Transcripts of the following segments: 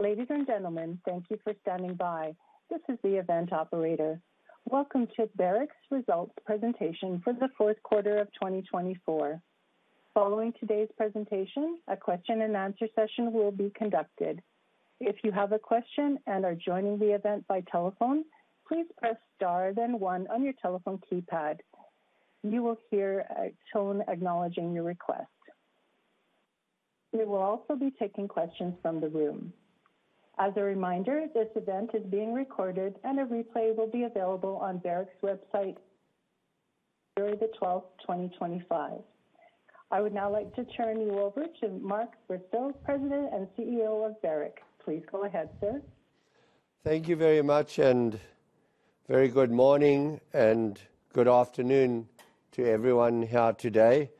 Ladies and gentlemen, thank you for standing by. This is the event operator. Welcome to Barrick's Results Presentation for the Fourth Quarter of 2024. Following today's presentation, a question-and-answer session will be conducted. If you have a question and are joining the event by telephone, please press star then one on your telephone keypad. You will hear a tone acknowledging your request. We will also be taking questions from the room. As a reminder, this event is being recorded, and a replay will be available on Barrick's website through the 12th, 2025. I would now like to turn you over to Mark Bristow, President and CEO of Barrick. Please go ahead, sir. Thank you very much, and very good morning and good afternoon to everyone here today,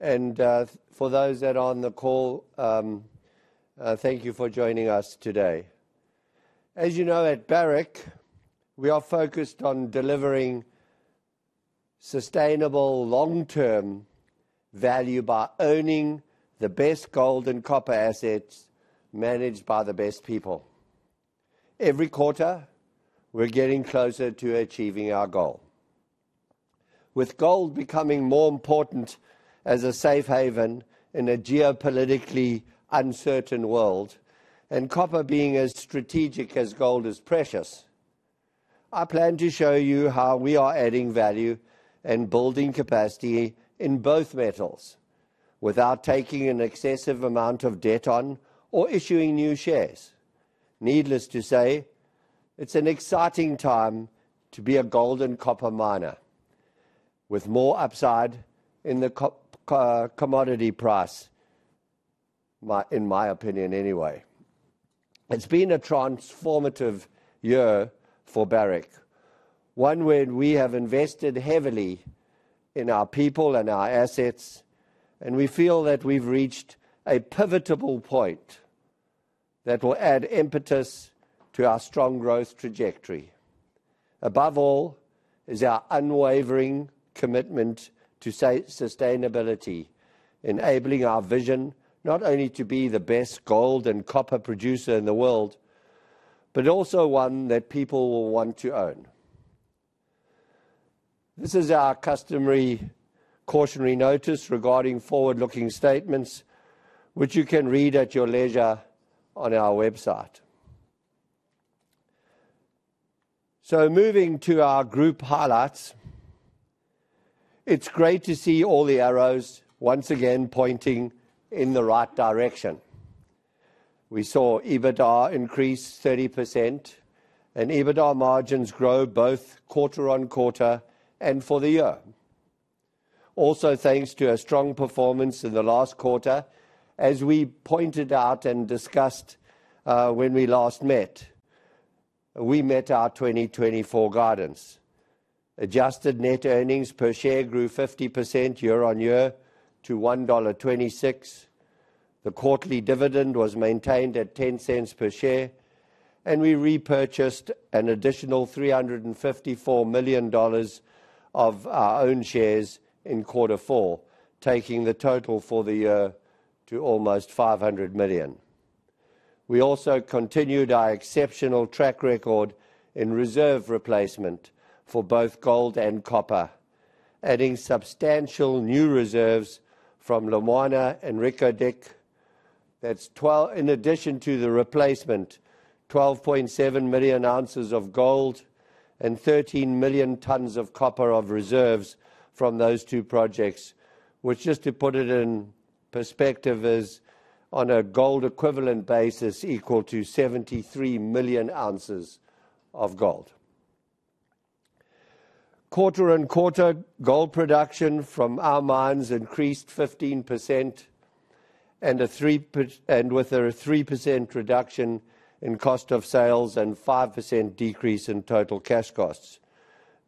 and for those that are on the call, thank you for joining us today. As you know, at Barrick, we are focused on delivering sustainable long-term value by owning the best gold and copper assets managed by the best people. Every quarter, we're getting closer to achieving our goal, with gold becoming more important as a safe haven in a geopolitically uncertain world and copper being as strategic as gold is precious. I plan to show you how we are adding value and building capacity in both metals without taking an excessive amount of debt on or issuing new shares. Needless to say, it's an exciting time to be a gold and copper miner, with more upside in the commodity price, in my opinion anyway. It's been a transformative year for Barrick, one where we have invested heavily in our people and our assets, and we feel that we've reached a pivotal point that will add impetus to our strong growth trajectory. Above all is our unwavering commitment to sustainability, enabling our vision not only to be the best gold and copper producer in the world, but also one that people will want to own. This is our customary cautionary notice regarding forward-looking statements, which you can read at your leisure on our website, so moving to our group highlights, it's great to see all the arrows once again pointing in the right direction. We saw EBITDA increase 30%, and EBITDA margins grow both quarter on quarter and for the year. Also, thanks to a strong performance in the last quarter, as we pointed out and discussed when we last met, we met our 2024 guidance. Adjusted net earnings per share grew 50% year on year to $1.26. The quarterly dividend was maintained at $0.10 per share, and we repurchased an additional $354 million of our own shares in quarter four, taking the total for the year to almost $500 million. We also continued our exceptional track record in reserve replacement for both gold and copper, adding substantial new reserves from Lumwana and Reko Diq. That's 12, in addition to the replacement, 12.7 million ounces of gold and 13 million tons of copper of reserves from those two projects, which, just to put it in perspective, is on a gold equivalent basis equal to 73 million ounces of gold. Quarter on quarter, gold production from our mines increased 15%, and with a 3% reduction in cost of sales and 5% decrease in total cash costs,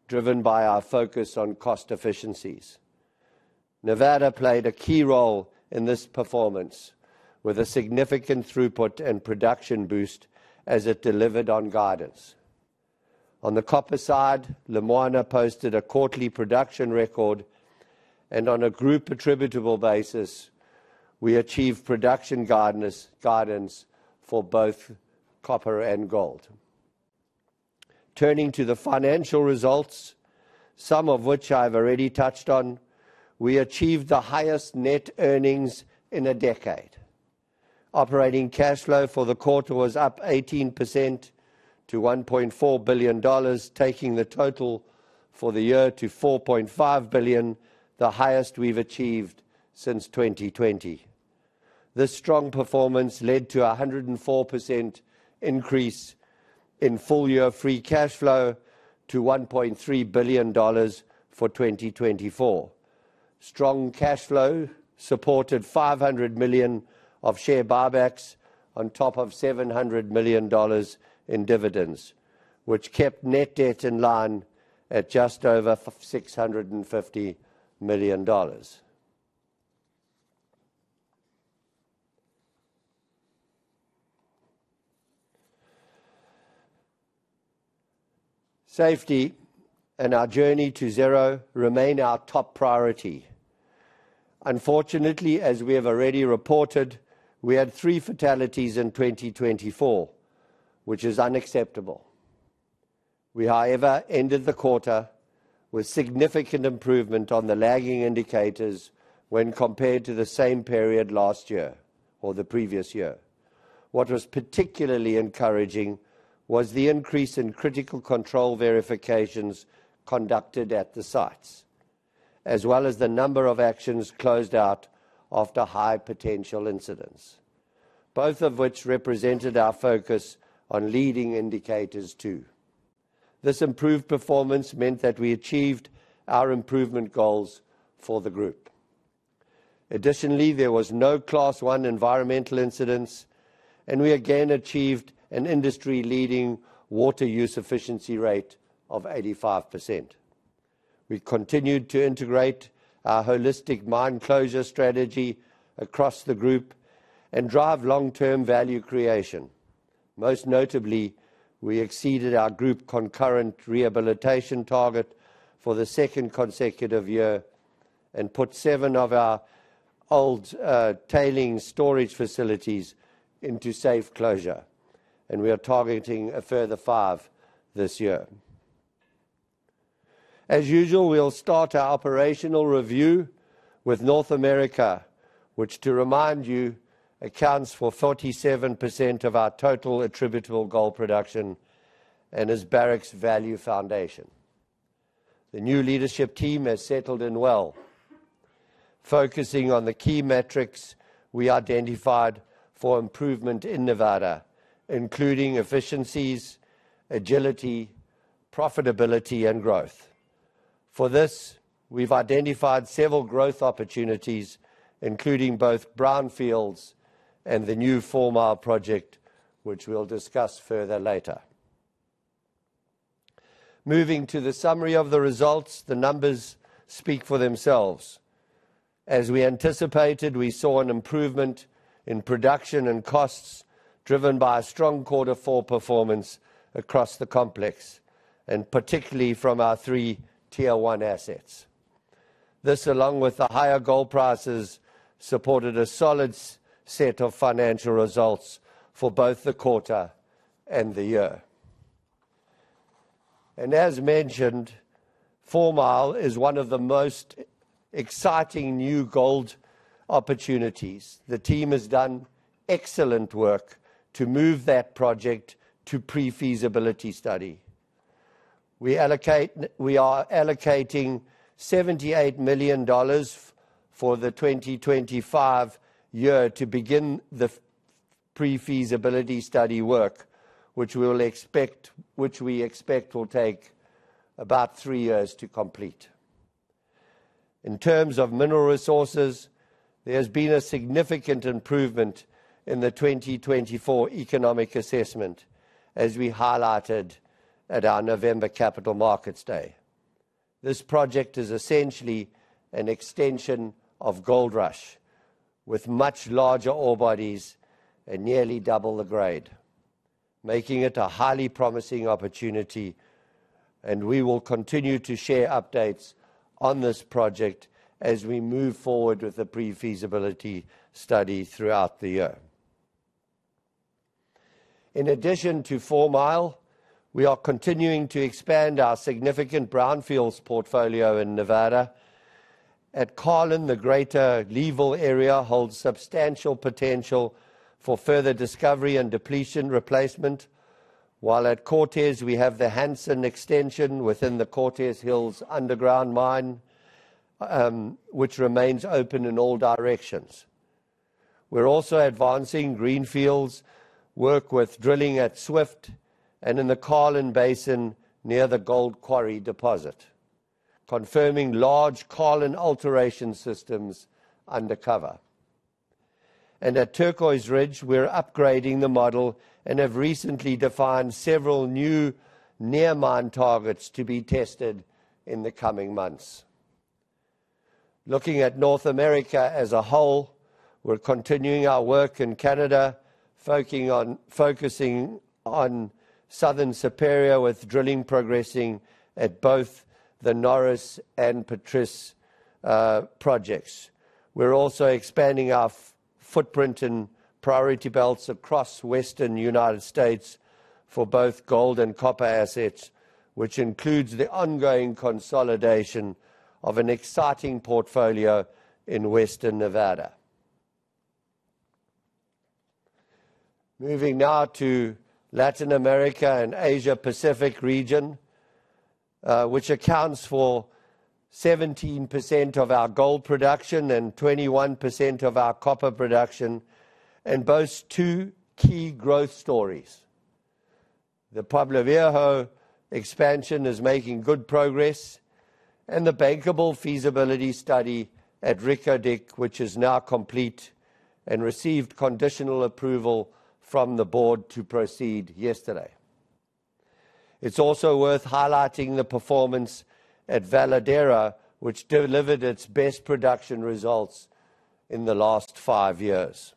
driven by our focus on cost efficiencies. Nevada played a key role in this performance, with a significant throughput and production boost as it delivered on guidance. On the copper side, Lumwana posted a quarterly production record, and on a group attributable basis, we achieved production guidance for both copper and gold. Turning to the financial results, some of which I've already touched on, we achieved the highest net earnings in a decade. Operating cash flow for the quarter was up 18% to $1.4 billion, taking the total for the year to $4.5 billion, the highest we've achieved since 2020. This strong performance led to a 104% increase in full year free cash flow to $1.3 billion for 2024. Strong cash flow supported $500 million of share buybacks on top of $700 million in dividends, which kept net debt in line at just over $650 million. Safety and our journey to zero remain our top priority. Unfortunately, as we have already reported, we had three fatalities in 2024, which is unacceptable. We, however, ended the quarter with significant improvement on the lagging indicators when compared to the same period last year or the previous year. What was particularly encouraging was the increase in critical control verifications conducted at the sites, as well as the number of actions closed out after high potential incidents, both of which represented our focus on leading indicators too. This improved performance meant that we achieved our improvement goals for the group. Additionally, there was no Class One environmental incidents, and we again achieved an industry-leading water use efficiency rate of 85%. We continued to integrate our holistic mine closure strategy across the group and drive long-term value creation. Most notably, we exceeded our group concurrent rehabilitation target for the second consecutive year and put seven of our old tailings storage facilities into safe closure, and we are targeting a further five this year. As usual, we'll start our operational review with North America, which, to remind you, accounts for 47% of our total attributable gold production and is Barrick's value foundation. The new leadership team has settled in well, focusing on the key metrics we identified for improvement in Nevada, including efficiencies, agility, profitability, and growth. For this, we've identified several growth opportunities, including both brownfields and the new Fourmile project, which we'll discuss further later. Moving to the summary of the results, the numbers speak for themselves. As we anticipated, we saw an improvement in production and costs driven by a strong quarter four performance across the complex, and particularly from our three Tier One assets. This, along with the higher gold prices, supported a solid set of financial results for both the quarter and the year, and as mentioned, Fourmile is one of the most exciting new gold opportunities. The team has done excellent work to move that project to pre-feasibility study. We are allocating $78 million for the 2025 year to begin the pre-feasibility study work, which we expect will take about three years to complete. In terms of mineral resources, there has been a significant improvement in the 2024 economic assessment, as we highlighted at our November capital markets day. This project is essentially an extension of Goldrush, with much larger ore bodies and nearly double the grade, making it a highly promising opportunity, and we will continue to share updates on this project as we move forward with the pre-feasibility study throughout the year. In addition to Fourmile, we are continuing to expand our significant brownfields portfolio in Nevada. At Carlin, the Greater Leeville area holds substantial potential for further discovery and depletion replacement, while at Cortez, we have the Hanson extension within the Cortez Hills underground mine, which remains open in all directions. We're also advancing greenfields work with drilling at Swift and in the Carlin Basin near the Gold Quarry deposit, confirming large Carlin alteration systems undercover. And at Turquoise Ridge, we're upgrading the model and have recently defined several new near-mine targets to be tested in the coming months. Looking at North America as a whole, we're continuing our work in Canada, focusing on Southern Superior with drilling progressing at both the Norris and Patrice projects. We're also expanding our footprint and priority belts across Western United States for both gold and copper assets, which includes the ongoing consolidation of an exciting portfolio in Western Nevada. Moving now to Latin America and Asia-Pacific region, which accounts for 17% of our gold production and 21% of our copper production, and boasts two key growth stories. The Pueblo Viejo expansion is making good progress, and the bankable feasibility study at Reko Diq, which is now complete and received conditional approval from the board to proceed yesterday. It's also worth highlighting the performance at Veladero, which delivered its best production results in the last five years.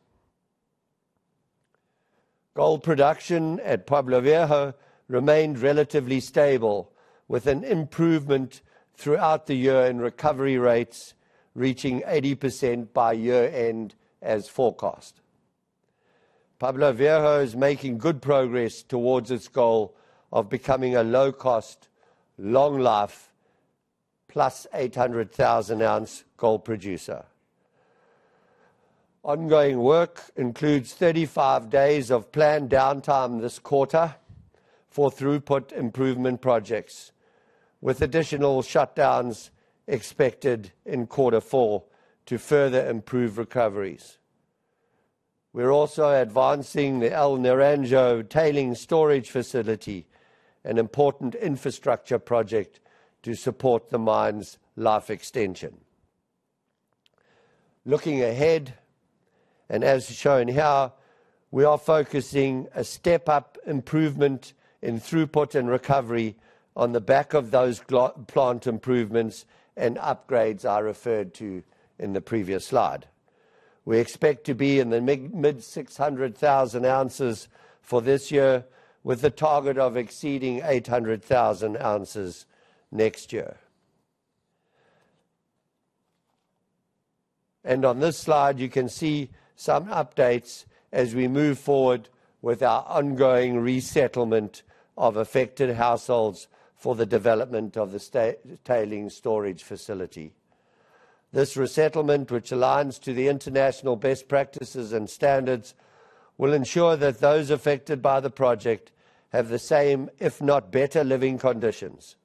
Gold production at Pueblo Viejo remained relatively stable, with an improvement throughout the year in recovery rates reaching 80% by year-end as forecast. Pueblo Viejo is making good progress towards its goal of becoming a low-cost, long-life, plus 800,000-ounce gold producer. Ongoing work includes 35 days of planned downtime this quarter for throughput improvement projects, with additional shutdowns expected in quarter four to further improve recoveries. We're also advancing the El Naranjo tailings storage facility, an important infrastructure project to support the mine's life extension. Looking ahead, and as shown here, we are focusing a step-up improvement in throughput and recovery on the back of those plant improvements and upgrades I referred to in the previous slide. We expect to be in the mid 600,000 ounces for this year, with the target of exceeding 800,000 ounces next year. On this slide, you can see some updates as we move forward with our ongoing resettlement of affected households for the development of the tailings storage facility. This resettlement, which aligns to the international best practices and standards, will ensure that those affected by the project have the same, if not better, living conditions.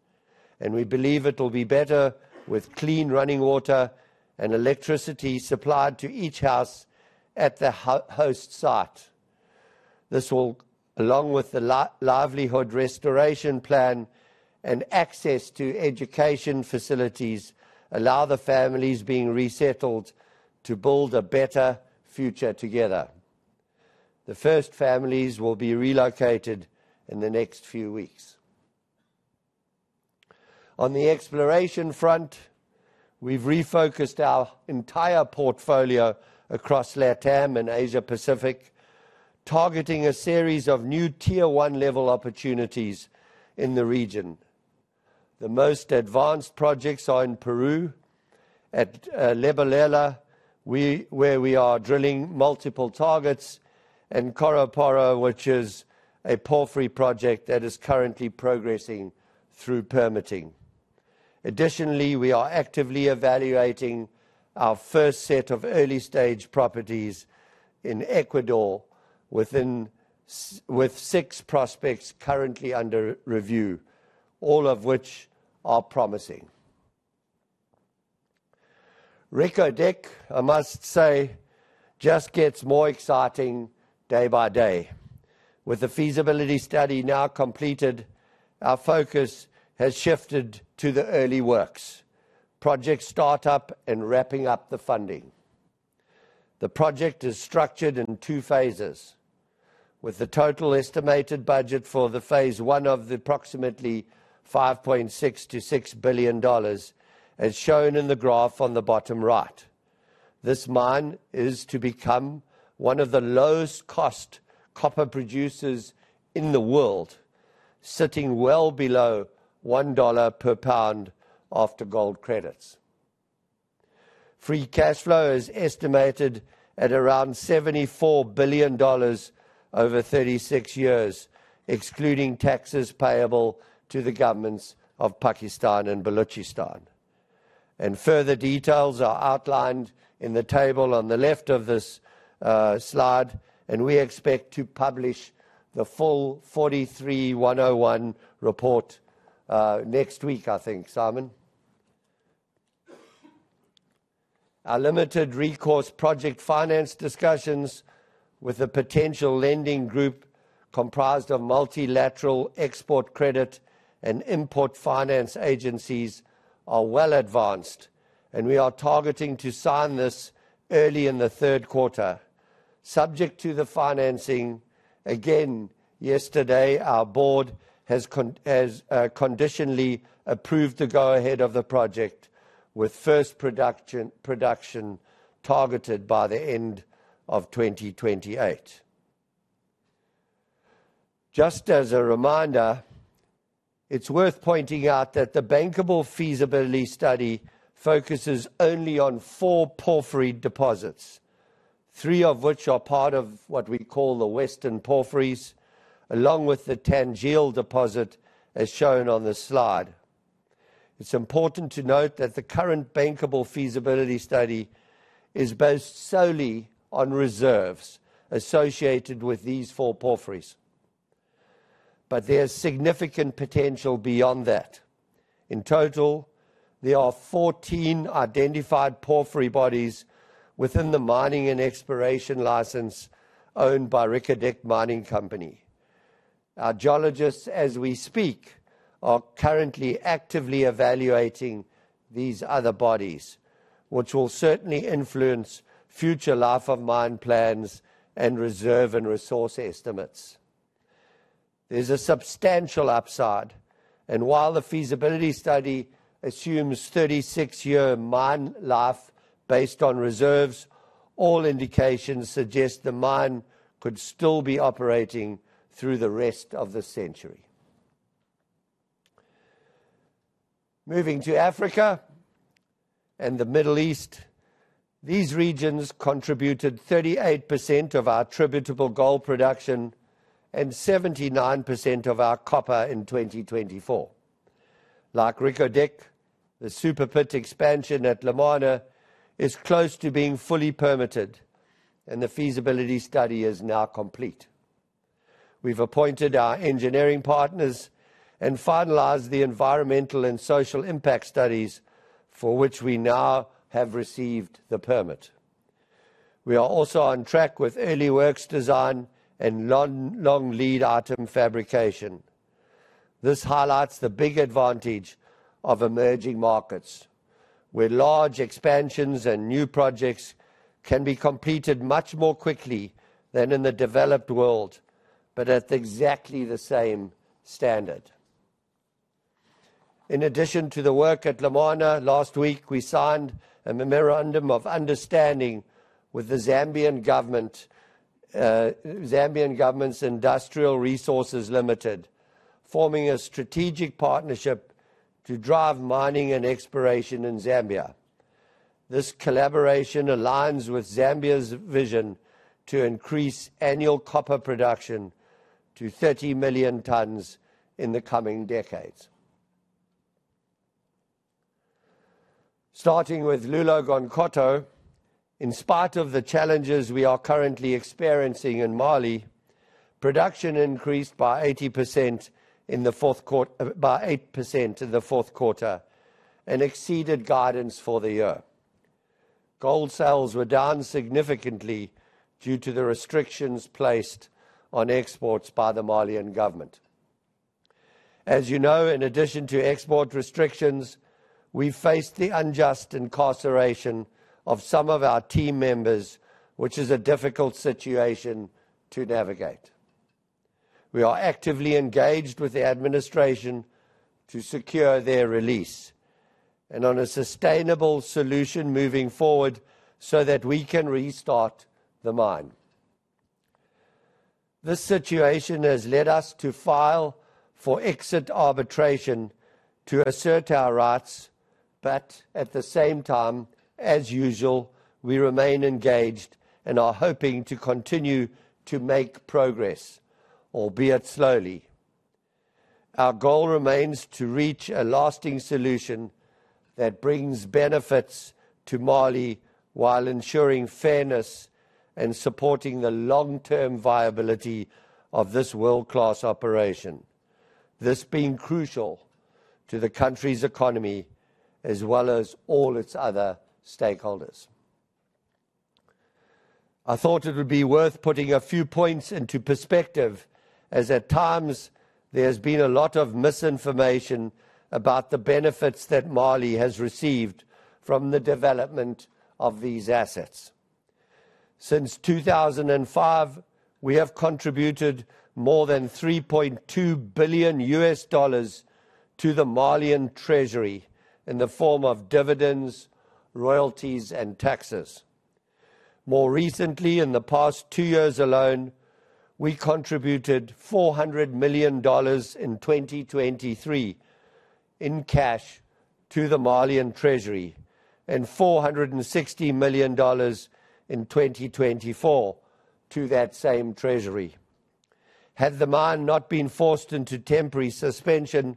We believe it will be better with clean running water and electricity supplied to each house at the host site. This will, along with the livelihood restoration plan and access to education facilities, allow the families being resettled to build a better future together. The first families will be relocated in the next few weeks. On the exploration front, we've refocused our entire portfolio across LATAM and Asia-Pacific, targeting a series of new Tier One level opportunities in the region. The most advanced projects are in Peru at Libelula, where we are drilling multiple targets, and Ccoropuro, which is a porphyry project that is currently progressing through permitting. Additionally, we are actively evaluating our first set of early-stage properties in Ecuador with six prospects currently under review, all of which are promising. Reko Diq, I must say, just gets more exciting day by day. With the feasibility study now completed, our focus has shifted to the early works, project startup, and wrapping up the funding. The project is structured in two phases, with the total estimated budget for phase one of approximately $5.6-$6 billion, as shown in the graph on the bottom right. This mine is to become one of the lowest-cost copper producers in the world, sitting well below $1 per pound after gold credits. Free cash flow is estimated at around $74 billion over 36 years, excluding taxes payable to the governments of Pakistan and Balochistan, and further details are outlined in the table on the left of this slide, and we expect to publish the full 43-101 report next week, I think, Simon. Our limited recourse project finance discussions with a potential lending group comprised of multilateral export credit and import finance agencies are well advanced, and we are targeting to sign this early in the third quarter. Subject to the financing, again, yesterday, our board has conditionally approved the go-ahead of the project, with first production targeted by the end of 2028. Just as a reminder, it's worth pointing out that the bankable feasibility study focuses only on four porphyry deposits, three of which are part of what we call the Western Porphyries, along with the Tanjeel deposit, as shown on the slide. It's important to note that the current bankable feasibility study is based solely on reserves associated with these four porphyries, but there's significant potential beyond that. In total, there are 14 identified porphyry bodies within the mining and exploration license owned by Reko Diq Mining Company. Our geologists, as we speak, are currently actively evaluating these other bodies, which will certainly influence future life of mine plans and reserve and resource estimates. There's a substantial upside, and while the feasibility study assumes 36-year mine life based on reserves, all indications suggest the mine could still be operating through the rest of the century. Moving to Africa and the Middle East, these regions contributed 38% of our attributable gold production and 79% of our copper in 2024. Like Lumwana, the Super Pit expansion at Lumwana is close to being fully permitted, and the feasibility study is now complete. We've appointed our engineering partners and finalized the environmental and social impact studies for which we now have received the permit. We are also on track with early works design and long lead item fabrication. This highlights the big advantage of emerging markets, where large expansions and new projects can be completed much more quickly than in the developed world, but at exactly the same standard. In addition to the work at Lumwana, last week, we signed a memorandum of understanding with the Zambian government's Industrial Development Corporation of Zambia, forming a strategic partnership to drive mining and exploration in Zambia. This collaboration aligns with Zambia's vision to increase annual copper production to 30 million tons in the coming decades. Starting with Loulo-Gounkoto, in spite of the challenges we are currently experiencing in Mali, production increased by 8% in the fourth quarter and exceeded guidance for the year. Gold sales were down significantly due to the restrictions placed on exports by the Malian government. As you know, in addition to export restrictions, we've faced the unjust incarceration of some of our team members, which is a difficult situation to navigate. We are actively engaged with the administration to secure their release and on a sustainable solution moving forward so that we can restart the mine. This situation has led us to file for exit arbitration to assert our rights, but at the same time, as usual, we remain engaged and are hoping to continue to make progress, albeit slowly. Our goal remains to reach a lasting solution that brings benefits to Mali while ensuring fairness and supporting the long-term viability of this world-class operation, this being crucial to the country's economy as well as all its other stakeholders. I thought it would be worth putting a few points into perspective, as at times, there has been a lot of misinformation about the benefits that Mali has received from the development of these assets. Since 2005, we have contributed more than $3.2 billion U.S. dollars to the Malian Treasury in the form of dividends, royalties, and taxes. More recently, in the past two years alone, we contributed $400 million in 2023 in cash to the Malian Treasury and $460 million in 2024 to that same Treasury. Had the mine not been forced into temporary suspension,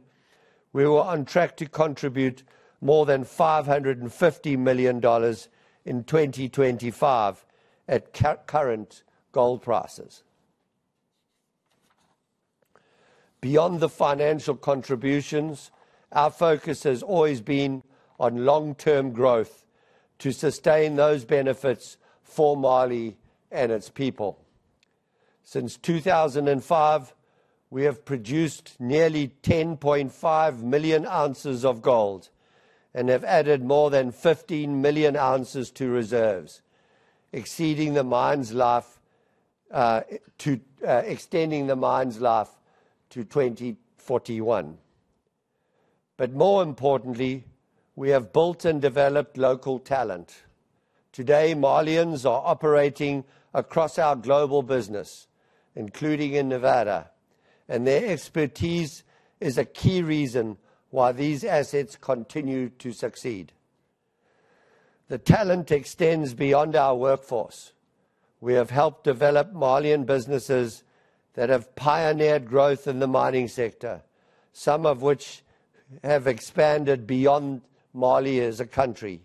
we were on track to contribute more than $550 million in 2025 at current gold prices. Beyond the financial contributions, our focus has always been on long-term growth to sustain those benefits for Mali and its people. Since 2005, we have produced nearly 10.5 million ounces of gold and have added more than 15 million ounces to reserves, extending the mine's life to 2041. But more importantly, we have built and developed local talent. Today, Malians are operating across our global business, including in Nevada, and their expertise is a key reason why these assets continue to succeed. The talent extends beyond our workforce. We have helped develop Malian businesses that have pioneered growth in the mining sector, some of which have expanded beyond Mali as a country.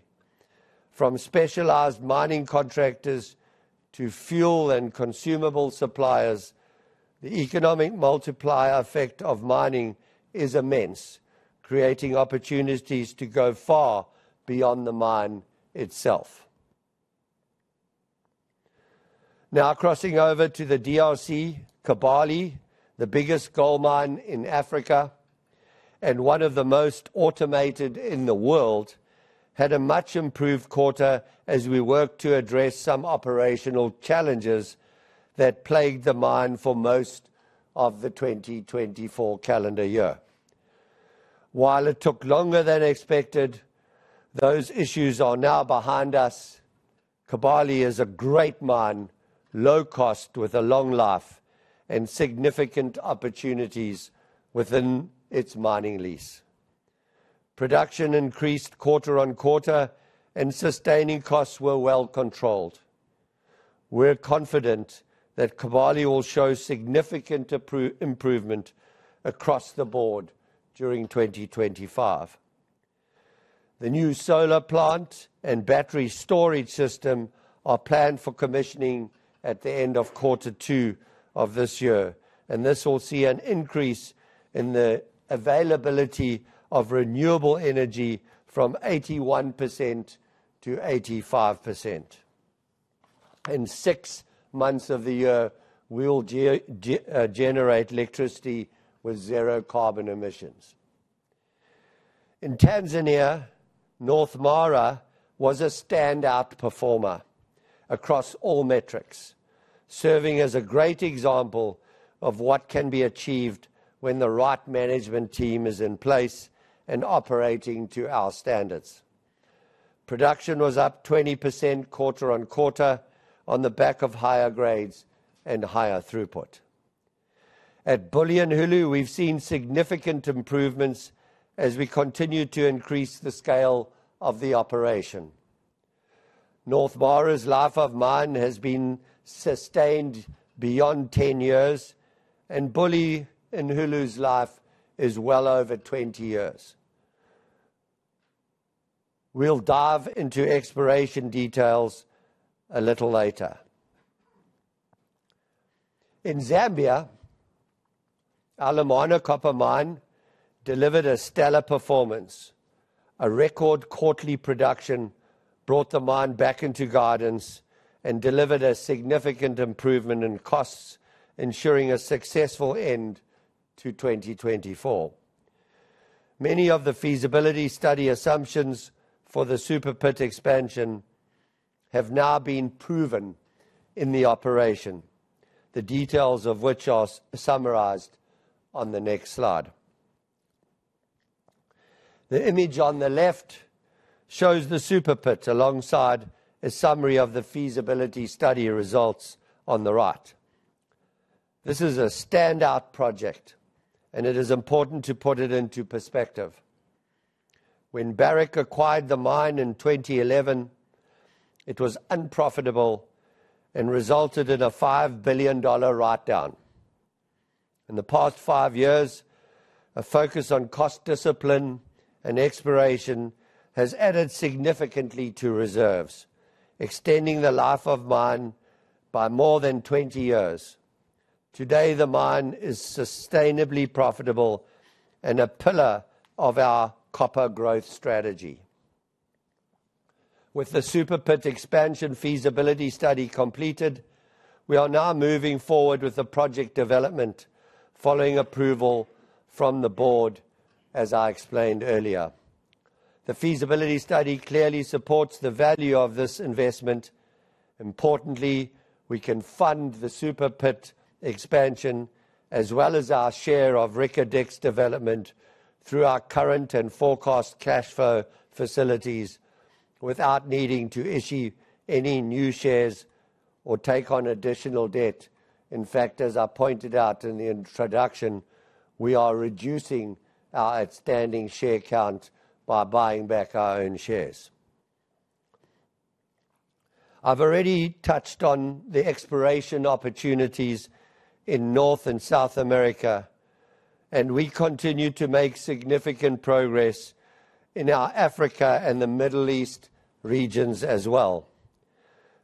From specialized mining contractors to fuel and consumable suppliers, the economic multiplier effect of mining is immense, creating opportunities to go far beyond the mine itself. Now, crossing over to the DRC, Kibali, the biggest gold mine in Africa and one of the most automated in the world, had a much improved quarter as we worked to address some operational challenges that plagued the mine for most of the 2024 calendar year. While it took longer than expected, those issues are now behind us. Kibali is a great mine, low cost, with a long life and significant opportunities within its mining lease. Production increased quarter on quarter, and sustaining costs were well controlled. We're confident that Kibali will show significant improvement across the board during 2025. The new solar plant and battery storage system are planned for commissioning at the end of quarter two of this year, and this will see an increase in the availability of renewable energy from 81% to 85%. In six months of the year, we'll generate electricity with zero carbon emissions. In Tanzania, North Mara was a standout performer across all metrics, serving as a great example of what can be achieved when the right management team is in place and operating to our standards. Production was up 20% quarter on quarter on the back of higher grades and higher throughput. At Bulyanhulu, we've seen significant improvements as we continue to increase the scale of the operation. North Mara's life of mine has been sustained beyond 10 years, and Bulyanhulu's life is well over 20 years. We'll dive into exploration details a little later. In Zambia, our Lumwana Copper Mine delivered a stellar performance. A record quarterly production brought the mine back into guidance and delivered a significant improvement in costs, ensuring a successful end to 2024. Many of the feasibility study assumptions for the superpit expansion have now been proven in the operation, the details of which are summarized on the next slide. The image on the left shows the superpit alongside a summary of the feasibility study results on the right. This is a standout project, and it is important to put it into perspective. When Barrick acquired the mine in 2011, it was unprofitable and resulted in a $5 billion write-down. In the past five years, a focus on cost discipline and exploration has added significantly to reserves, extending the life of mine by more than 20 years. Today, the mine is sustainably profitable and a pillar of our copper growth strategy. With the Superpit expansion feasibility study completed, we are now moving forward with the project development following approval from the board, as I explained earlier. The feasibility study clearly supports the value of this investment. Importantly, we can fund the Superpit expansion as well as our share of Reko Diq's development through our current and forecast cash flow facilities without needing to issue any new shares or take on additional debt. In fact, as I pointed out in the introduction, we are reducing our outstanding share count by buying back our own shares. I've already touched on the exploration opportunities in North and South America, and we continue to make significant progress in our Africa and the Middle East regions as well.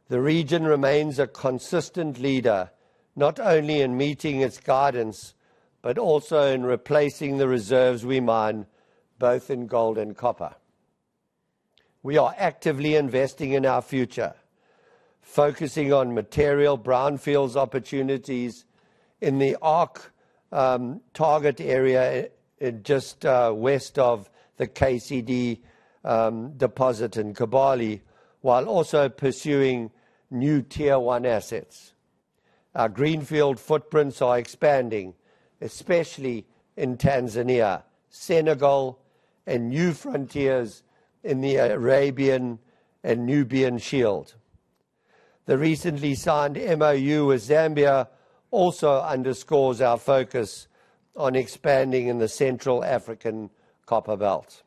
The region remains a consistent leader, not only in meeting its guidance, but also in replacing the reserves we mine, both in gold and copper. We are actively investing in our future, focusing on material brownfields opportunities in the ARK target area just west of the KCD deposit in Kibali, while also pursuing new Tier One assets. Our greenfield footprints are expanding, especially in Tanzania, Senegal, and new frontiers in the Arabian and Nubian Shield. The recently signed MOU with Zambia also underscores our focus on expanding in the Central African Copper Belt.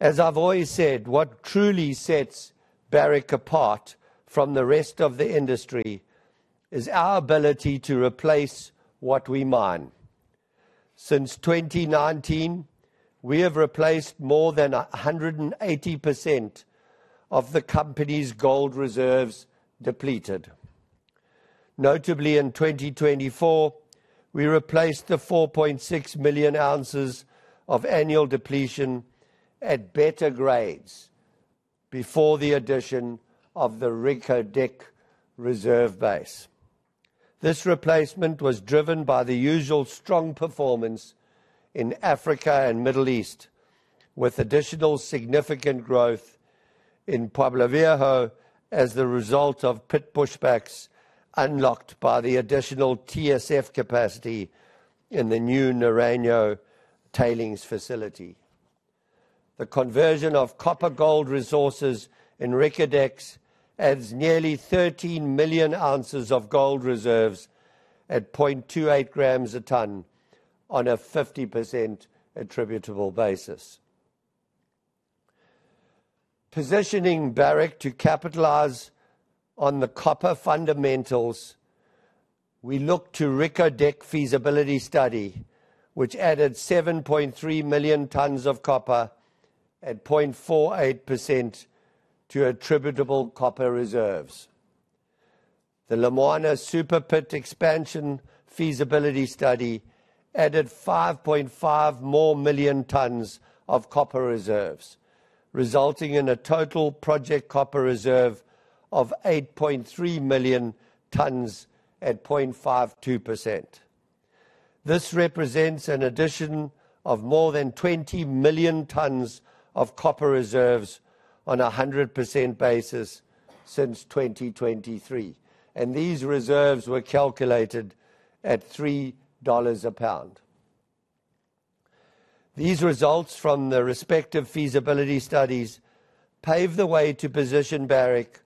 As I've always said, what truly sets Barrick apart from the rest of the industry is our ability to replace what we mine. Since 2019, we have replaced more than 180% of the company's gold reserves depleted. Notably, in 2024, we replaced the 4.6 million ounces of annual depletion at better grades before the addition of the Reko Diq reserve base. This replacement was driven by the usual strong performance in Africa and the Middle East, with additional significant growth in Pueblo Viejo as the result of pit pushbacks unlocked by the additional TSF capacity in the new Naranjo tailings facility. The conversion of copper-gold resources in Reko Diq adds nearly 13 million ounces of gold reserves at 0.28 grams a ton on a 50% attributable basis. Positioning Barrick to capitalize on the copper fundamentals, we looked to Reko Diq feasibility study, which added 7.3 million tons of copper at 0.48% to attributable copper reserves. The Lumwana Superpit Expansion feasibility study added 5.5 more million tons of copper reserves, resulting in a total project copper reserve of 8.3 million tons at 0.52%. This represents an addition of more than 20 million tons of copper reserves on a 100% basis since 2023, and these reserves were calculated at $3 a pound. These results from the respective feasibility studies pave the way to position Barrick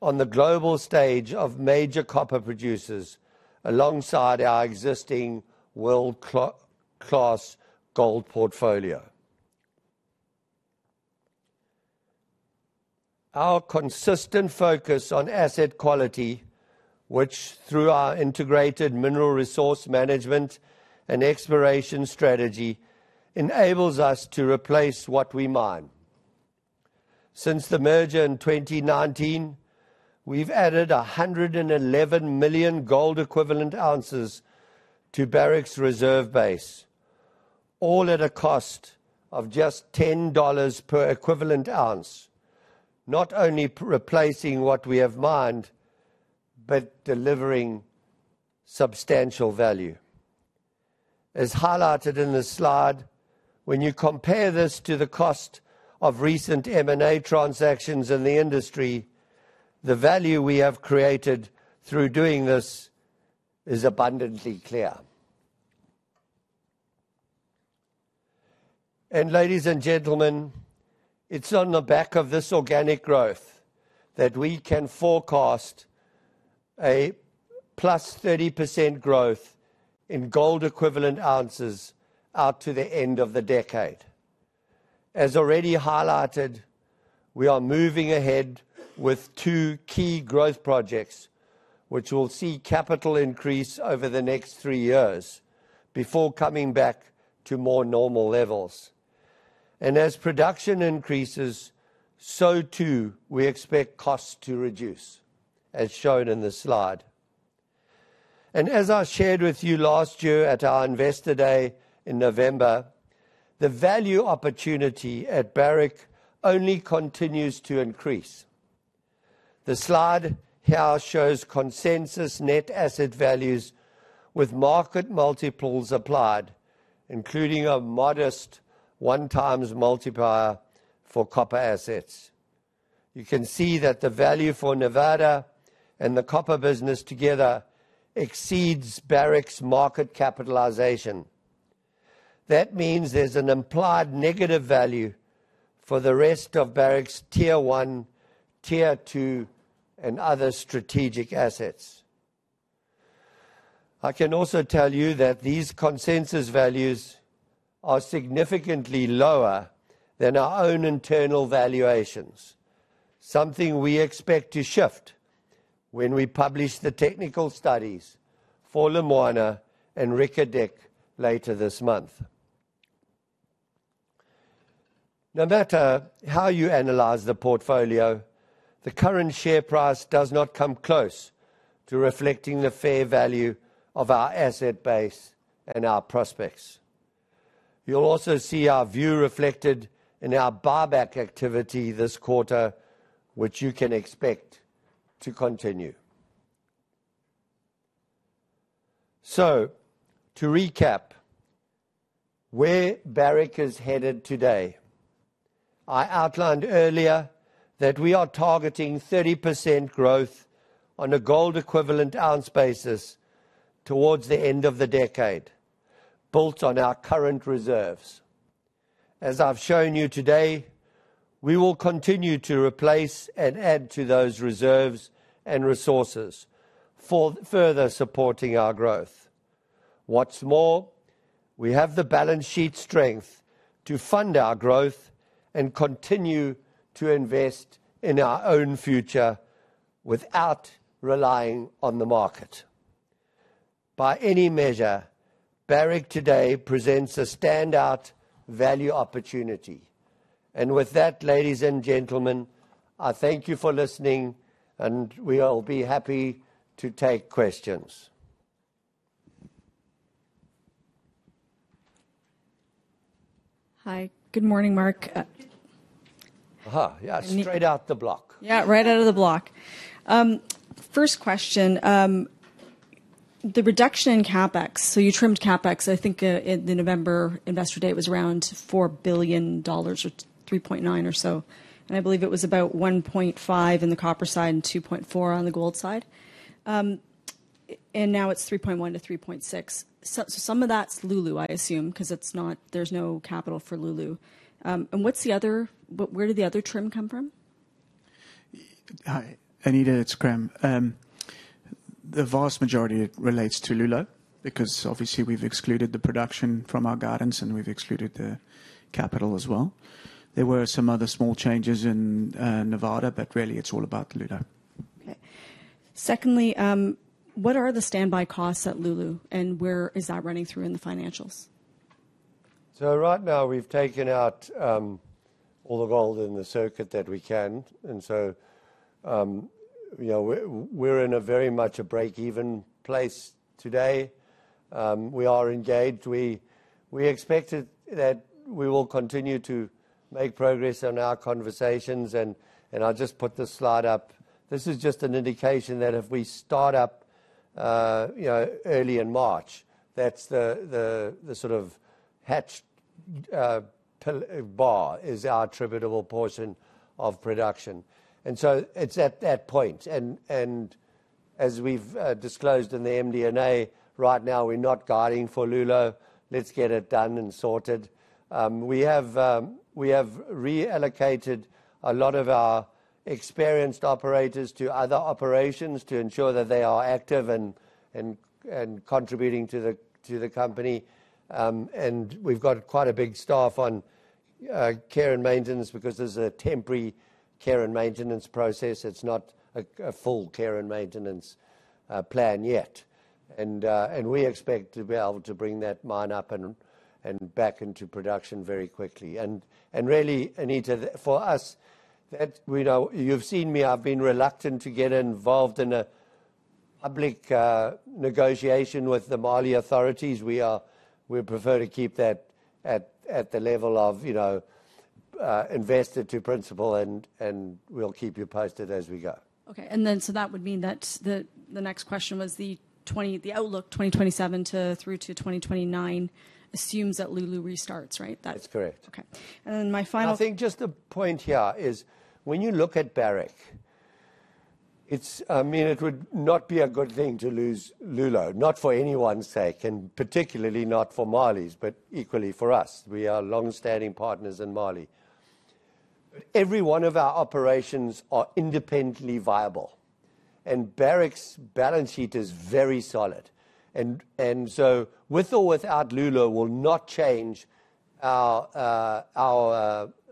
on the global stage of major copper producers alongside our existing world-class gold portfolio. Our consistent focus on asset quality, which through our integrated mineral resource management and exploration strategy enables us to replace what we mine. Since the merger in 2019, we've added 111 million gold equivalent ounces to Barrick's reserve base, all at a cost of just $10 per equivalent ounce, not only replacing what we have mined but delivering substantial value. As highlighted in the slide, when you compare this to the cost of recent M&A transactions in the industry, the value we have created through doing this is abundantly clear. And ladies and gentlemen, it's on the back of this organic growth that we can forecast a 30% growth in gold equivalent ounces out to the end of the decade. As already highlighted, we are moving ahead with two key growth projects, which will see capital increase over the next three years before coming back to more normal levels. And as production increases, so too we expect costs to reduce, as shown in the slide. And as I shared with you last year at Investor Day in November, the value opportunity at Barrick only continues to increase. The slide here shows consensus net asset values with market multiples applied, including a modest one-times multiplier for copper assets. You can see that the value for Nevada and the copper business together exceeds Barrick's market capitalization. That means there's an implied negative value for the rest of Barrick's Tier One, Tier Two, and other strategic assets. I can also tell you that these consensus values are significantly lower than our own internal valuations, something we expect to shift when we publish the technical studies for Lumwana and Reko Diq later this month. No matter how you analyze the portfolio, the current share price does not come close to reflecting the fair value of our asset base and our prospects. You'll also see our view reflected in our buyback activity this quarter, which you can expect to continue. So, to recap where Barrick is headed today, I outlined earlier that we are targeting 30% growth on a gold equivalent ounce basis towards the end of the decade, built on our current reserves. As I've shown you today, we will continue to replace and add to those reserves and resources for further supporting our growth. What's more, we have the balance sheet strength to fund our growth and continue to invest in our own future without relying on the market. By any measure, Barrick today presents a standout value opportunity. And with that, ladies and gentlemen, I thank you for listening, and we will be happy to take questions. Hi. Good morning, Mark. Yes, straight out the block. Yeah, right out of the block. First question, the reduction in CapEx. So you trimmed CapEx. I think in the November Investor Day it was around $4 billion or $3.9 billion or so. And I believe it was about $1.5 billion in the copper side and $2.4 billion on the gold side. And now it's $3.1-$3.6 billion. So some of that's Loulo, I assume, because there's no capital for Loulo. And what's the other? Where did the other trim come from? Hi, Anita, it's Graham. The vast majority relates to Loulo because obviously we've excluded the production from our guidance and we've excluded the capital as well. There were some other small changes in Nevada, but really it's all about Loulo. Okay. Secondly, what are the standby costs at Loulo and where is that running through in the financials? So right now we've taken out all the gold in the circuit that we can. And so we're in a very much a break-even place today. We are engaged. We expected that we will continue to make progress on our conversations. And I'll just put this slide up. This is just an indication that if we start up early in March, that's the sort of hatched bar is our attributable portion of production. And so it's at that point. And as we've disclosed in the MD&A, right now we're not guiding for Loulo. Let's get it done and sorted. We have reallocated a lot of our experienced operators to other operations to ensure that they are active and contributing to the company. And we've got quite a big staff on Care and Maintenance because there's a temporary Care and Maintenance process. It's not a full Care and Maintenance plan yet. We expect to be able to bring that mine up and back into production very quickly. Really, Anita, for us, you've seen me. I've been reluctant to get involved in a public negotiation with the Malian authorities. We prefer to keep that at the level of invested to principle, and we'll keep you posted as we go. Okay. That would mean that the next question was the outlook 2027 through to 2029 assumes that Loulo restarts, right? That's correct. Okay. And then my final. I think just the point here is when you look at Barrick, I mean, it would not be a good thing to lose Loulo, not for anyone's sake, and particularly not for Malians, but equally for us. We are long-standing partners in Mali. Every one of our operations are independently viable. And Barrick's balance sheet is very solid. And so with or without Loulo will not change our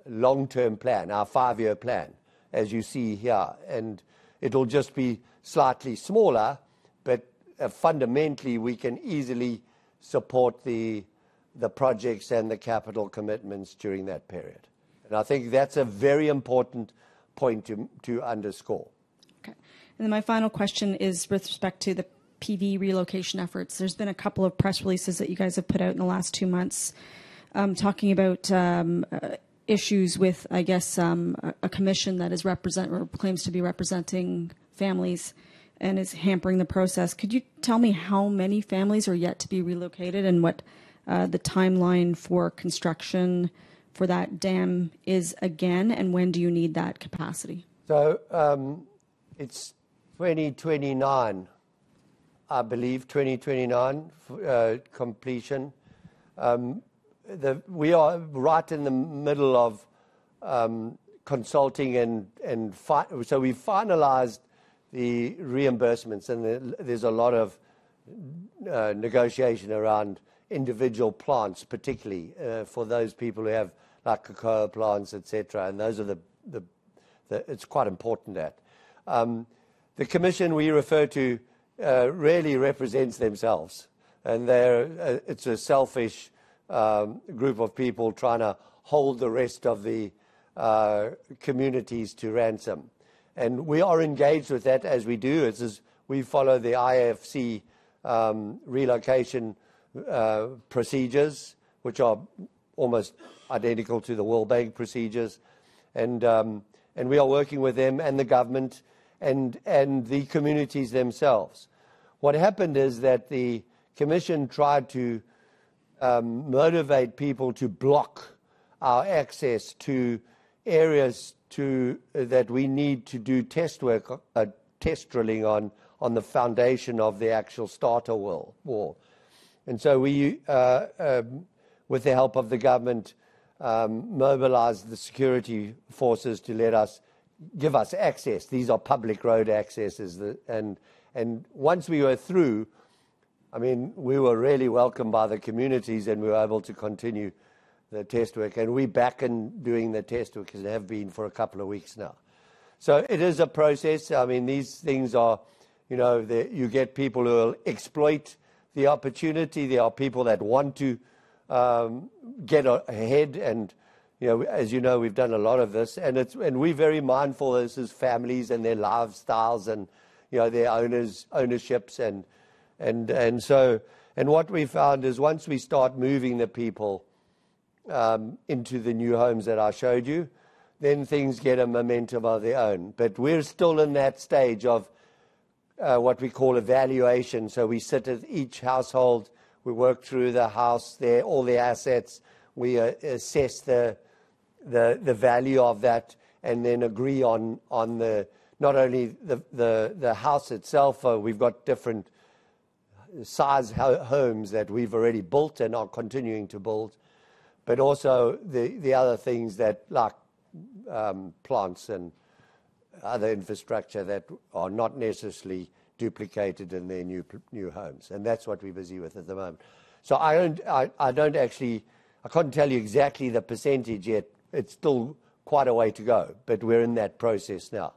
long-term plan, our five-year plan, as you see here. And it'll just be slightly smaller, but fundamentally we can easily support the projects and the capital commitments during that period. And I think that's a very important point to underscore. Okay. And then my final question is with respect to the PV relocation efforts. There's been a couple of press releases that you guys have put out in the last two months talking about issues with, I guess, a commission that claims to be representing families and is hampering the process. Could you tell me how many families are yet to be relocated and what the timeline for construction for that dam is again, and when do you need that capacity? So it's 2029, I believe, 2029 completion. We are right in the middle of consulting and so we finalized the reimbursements. There's a lot of negotiation around individual plots, particularly for those people who have like Ccoropuro plots, etc. Those are. It's quite important that the commission we refer to rarely represents themselves. It's a selfish group of people trying to hold the rest of the communities to ransom. We are engaged with that as we do. We follow the IFC relocation procedures, which are almost identical to the World Bank procedures. We are working with them and the government and the communities themselves. What happened is that the commission tried to motivate people to block our access to areas that we need to do test drilling on the foundation of the actual starter wall. And so we, with the help of the government, mobilized the security forces to let us give us access. These are public road accesses. And once we were through, I mean, we were really welcomed by the communities and we were able to continue the test work. And we're back in doing the test work and have been for a couple of weeks now. So it is a process. I mean, these things are you get people who will exploit the opportunity. There are people that want to get ahead. And as you know, we've done a lot of this. And we're very mindful of this as families and their lifestyles and their ownerships. And so what we found is once we start moving the people into the new homes that I showed you, then things get a momentum of their own. But we're still in that stage of what we call evaluation. So we sit at each household, we work through the house, all the assets. We assess the value of that and then agree on not only the house itself, but we've got different size homes that we've already built and are continuing to build, but also the other things that like plants and other infrastructure that are not necessarily duplicated in their new homes. And that's what we're busy with at the moment. So I don't actually, I couldn't tell you exactly the percentage yet. It's still quite a way to go, but we're in that process now.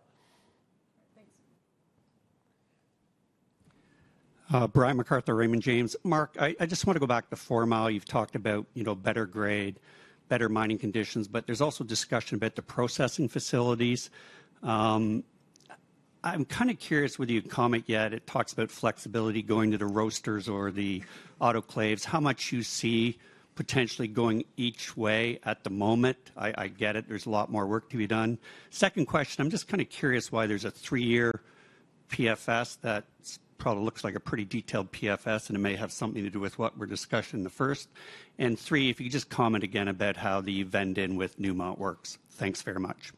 Thanks. Brian MacArthur, Raymond James. Mark, I just want to go back to Fourmile. You've talked about better grade, better mining conditions, but there's also discussion about the processing facilities. I'm kind of curious whether you comment yet. It talks about flexibility going to the roasters or the autoclaves. How much you see potentially going each way at the moment? I get it. There's a lot more work to be done. Second question, I'm just kind of curious why there's a three-year PFS that probably looks like a pretty detailed PFS, and it may have something to do with what we're discussing the first. And three, if you could just comment again about how the joint venture with Newmont works. Thanks very much.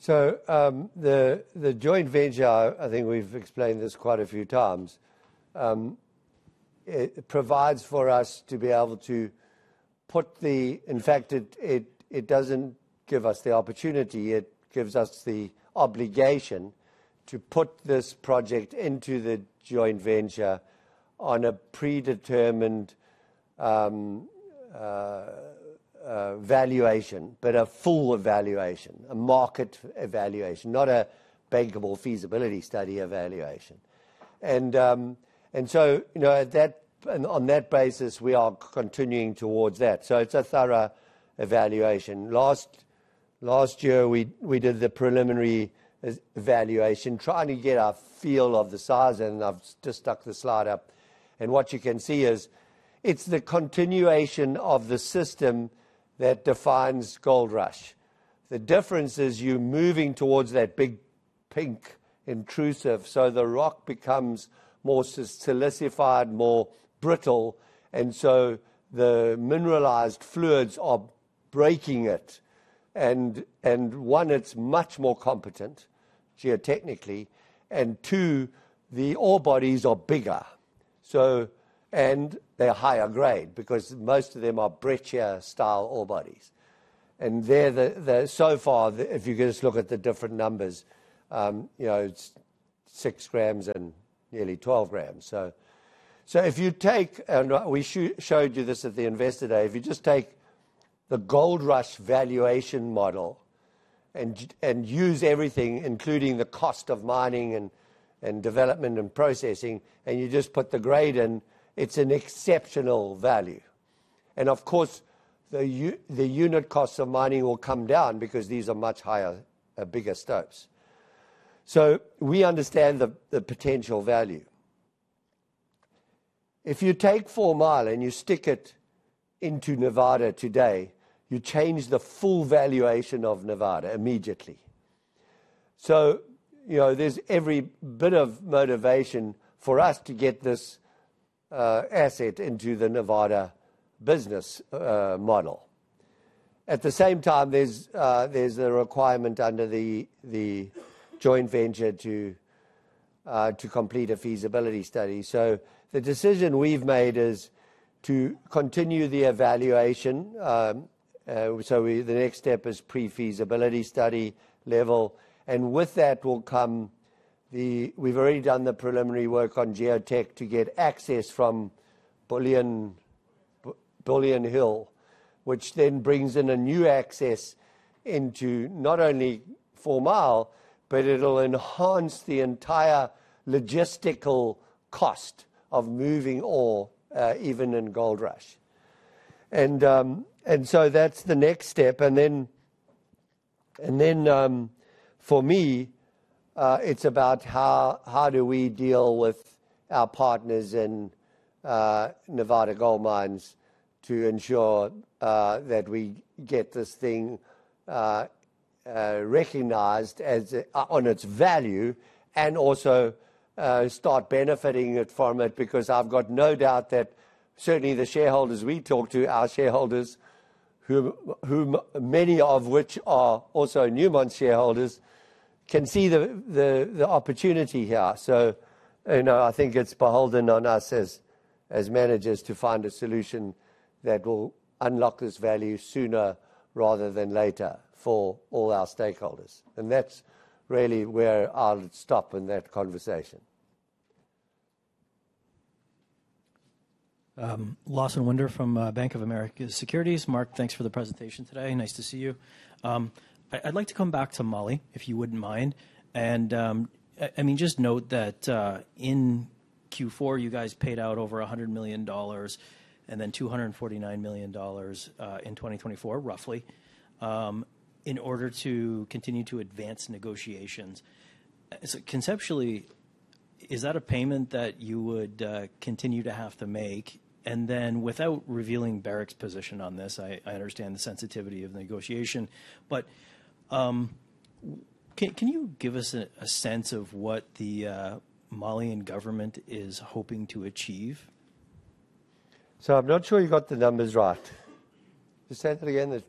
So the joint venture, I think we've explained this quite a few times. It provides for us to be able to put the – in fact, it doesn't give us the opportunity. It gives us the obligation to put this project into the joint venture on a predetermined valuation, but a full evaluation, a market evaluation, not a bankable feasibility study evaluation. And so on that basis, we are continuing towards that. So it's a thorough evaluation. Last year, we did the preliminary evaluation trying to get a feel of the size. And I've just stuck the slide up. And what you can see is it's the continuation of the system that defines Goldrush. The difference is you're moving towards that big pink intrusive. So the rock becomes more solidified, more brittle. And so the mineralized fluids are breaking it. And one, it's much more competent geotechnically. And two, the ore bodies are bigger. And they're higher grade because most of them are breccia style ore bodies. And so far, if you just look at the different numbers, it's six grams and nearly 12 grams. So if you take and we showed you this at Investor Day. if you just take the Goldrush valuation model and use everything, including the cost of mining and development and processing, and you just put the grade in, it's an exceptional value. And of course, the unit costs of mining will come down because these are much higher, bigger stopes. So we understand the potential value. If you take Fourmile and you stick it into Nevada today, you change the full valuation of Nevada immediately. So there's every bit of motivation for us to get this asset into the Nevada business model. At the same time, there's a requirement under the joint venture to complete a feasibility study, so the decision we've made is to continue the evaluation, so the next step is pre-feasibility study level. And with that will come that we've already done the preliminary work on geotech to get access from Bullion Hill, which then brings in a new access into not only Fourmile, but it'll enhance the entire logistical cost of moving ore, even in Goldrush. And so that's the next step, and then for me, it's about how do we deal with our partners in Nevada Gold Mines to ensure that we get this thing recognized on its value and also start benefiting from it because I've got no doubt that certainly the shareholders we talk to, our shareholders, many of which are also Newmont shareholders, can see the opportunity here. So I think it's beholden on us as managers to find a solution that will unlock this value sooner rather than later for all our stakeholders. And that's really where I'll stop in that conversation. Lawson Winder from Bank of America Securities. Mark, thanks for the presentation today. Nice to see you. I'd like to come back to Mali, if you wouldn't mind. And I mean, just note that in Q4, you guys paid out over $100 million and then $249 million in 2024, roughly, in order to continue to advance negotiations. So conceptually, is that a payment that you would continue to have to make? And then without revealing Barrick's position on this, I understand the sensitivity of the negotiation. But can you give us a sense of what the Malian government is hoping to achieve? So I'm not sure you got the numbers right. You said that again, that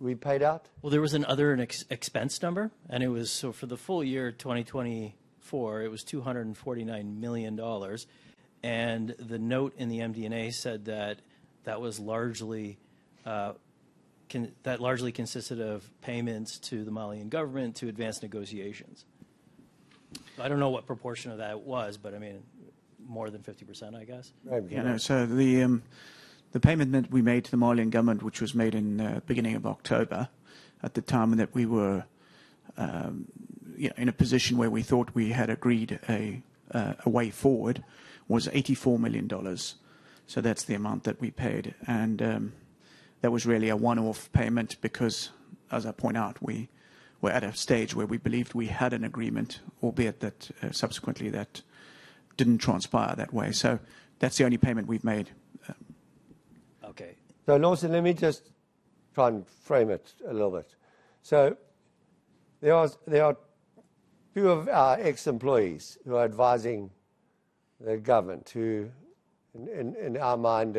we paid out? There was another expense number. It was so for the full year, 2024, it was $249 million. The note in the MD&A said that that was largely consisted of payments to the Malian government to advance negotiations. I don't know what proportion of that was, but I mean, more than 50%, I guess. Yeah. So the payment that we made to the Malian government, which was made in the beginning of October at the time that we were in a position where we thought we had agreed a way forward, was $84 million. So that's the amount that we paid. And that was really a one-off payment because, as I point out, we were at a stage where we believed we had an agreement, albeit that subsequently that didn't transpire that way. So that's the only payment we've made. Okay. So Lawson, let me just try and frame it a little bit. So there are a few of our ex-employees who are advising the government who, in our mind,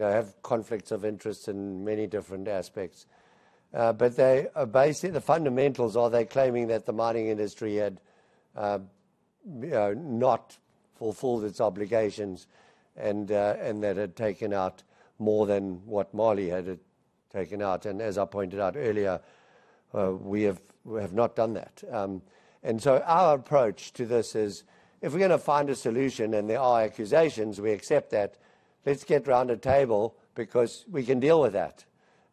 have conflicts of interest in many different aspects. But the fundamentals are they claiming that the mining industry had not fulfilled its obligations and that had taken out more than what Mali had taken out. And as I pointed out earlier, we have not done that. And so our approach to this is if we're going to find a solution and there are accusations, we accept that. Let's get round the table because we can deal with that.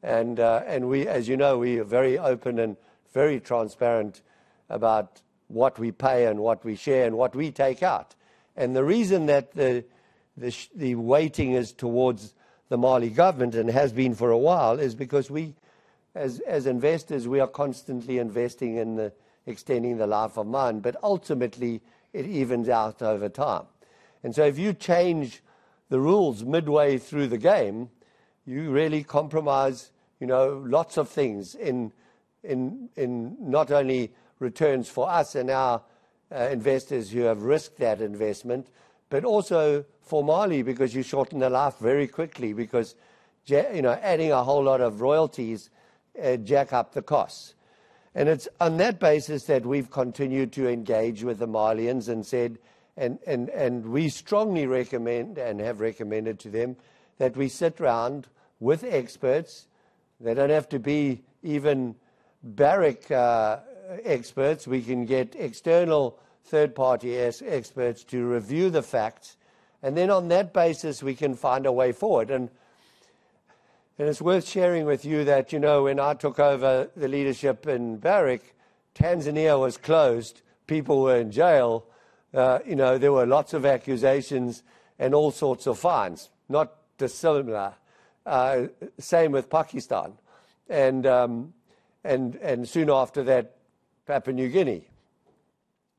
And as you know, we are very open and very transparent about what we pay and what we share and what we take out. The reason that the weighting is towards the Mali government and has been for a while is because we, as investors, we are constantly investing in extending the life of mine, but ultimately it evens out over time. And so if you change the rules midway through the game, you really compromise lots of things in not only returns for us and our investors who have risked that investment, but also for Mali because you shorten the life very quickly because adding a whole lot of royalties jack up the costs. And it's on that basis that we've continued to engage with the Malians and said, and we strongly recommend and have recommended to them that we sit around with experts. They don't have to be even Barrick experts. We can get external third-party experts to review the facts. And then on that basis, we can find a way forward. And it's worth sharing with you that when I took over the leadership in Barrick, Tanzania was closed. People were in jail. There were lots of accusations and all sorts of fines, not dissimilar. Same with Pakistan. And soon after that, Papua New Guinea.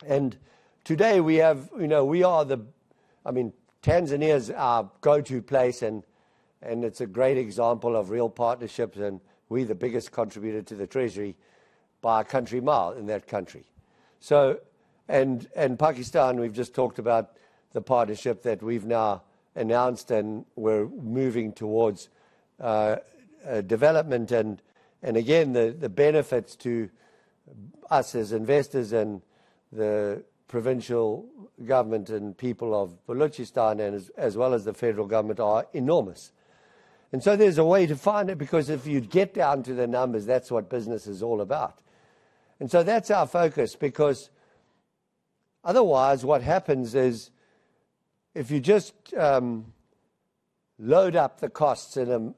And today we are the—I mean, Tanzania is our go-to place, and it's a great example of real partnerships. And we're the biggest contributor to the treasury by country mile in that country. And Pakistan, we've just talked about the partnership that we've now announced and we're moving towards development. And again, the benefits to us as investors and the provincial government and people of Balochistan as well as the federal government are enormous. And so there's a way to find it because if you get down to the numbers, that's what business is all about. And so that's our focus because otherwise what happens is if you just load up the costs and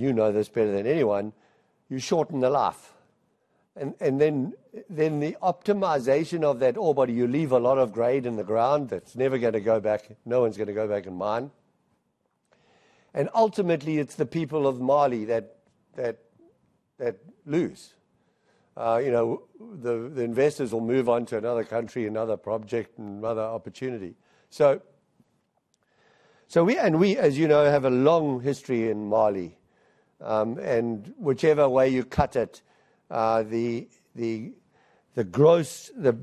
you know this better than anyone, you shorten the life. And then the optimization of that ore body, you leave a lot of grade in the ground that's never going to go back. No one's going to go back and mine. And ultimately, it's the people of Mali that lose. The investors will move on to another country, another project, and another opportunity. And we, as you know, have a long history in Mali. And whichever way you cut it, the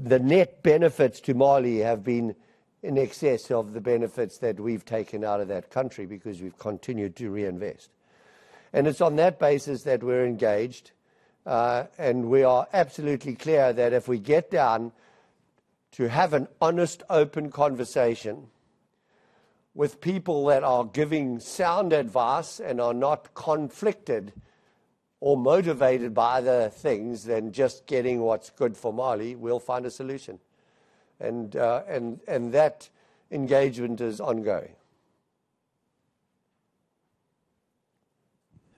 net benefits to Mali have been in excess of the benefits that we've taken out of that country because we've continued to reinvest. It's on that basis that we're engaged. We are absolutely clear that if we get down to have an honest, open conversation with people that are giving sound advice and are not conflicted or motivated by other things than just getting what's good for Mali, we'll find a solution. That engagement is ongoing.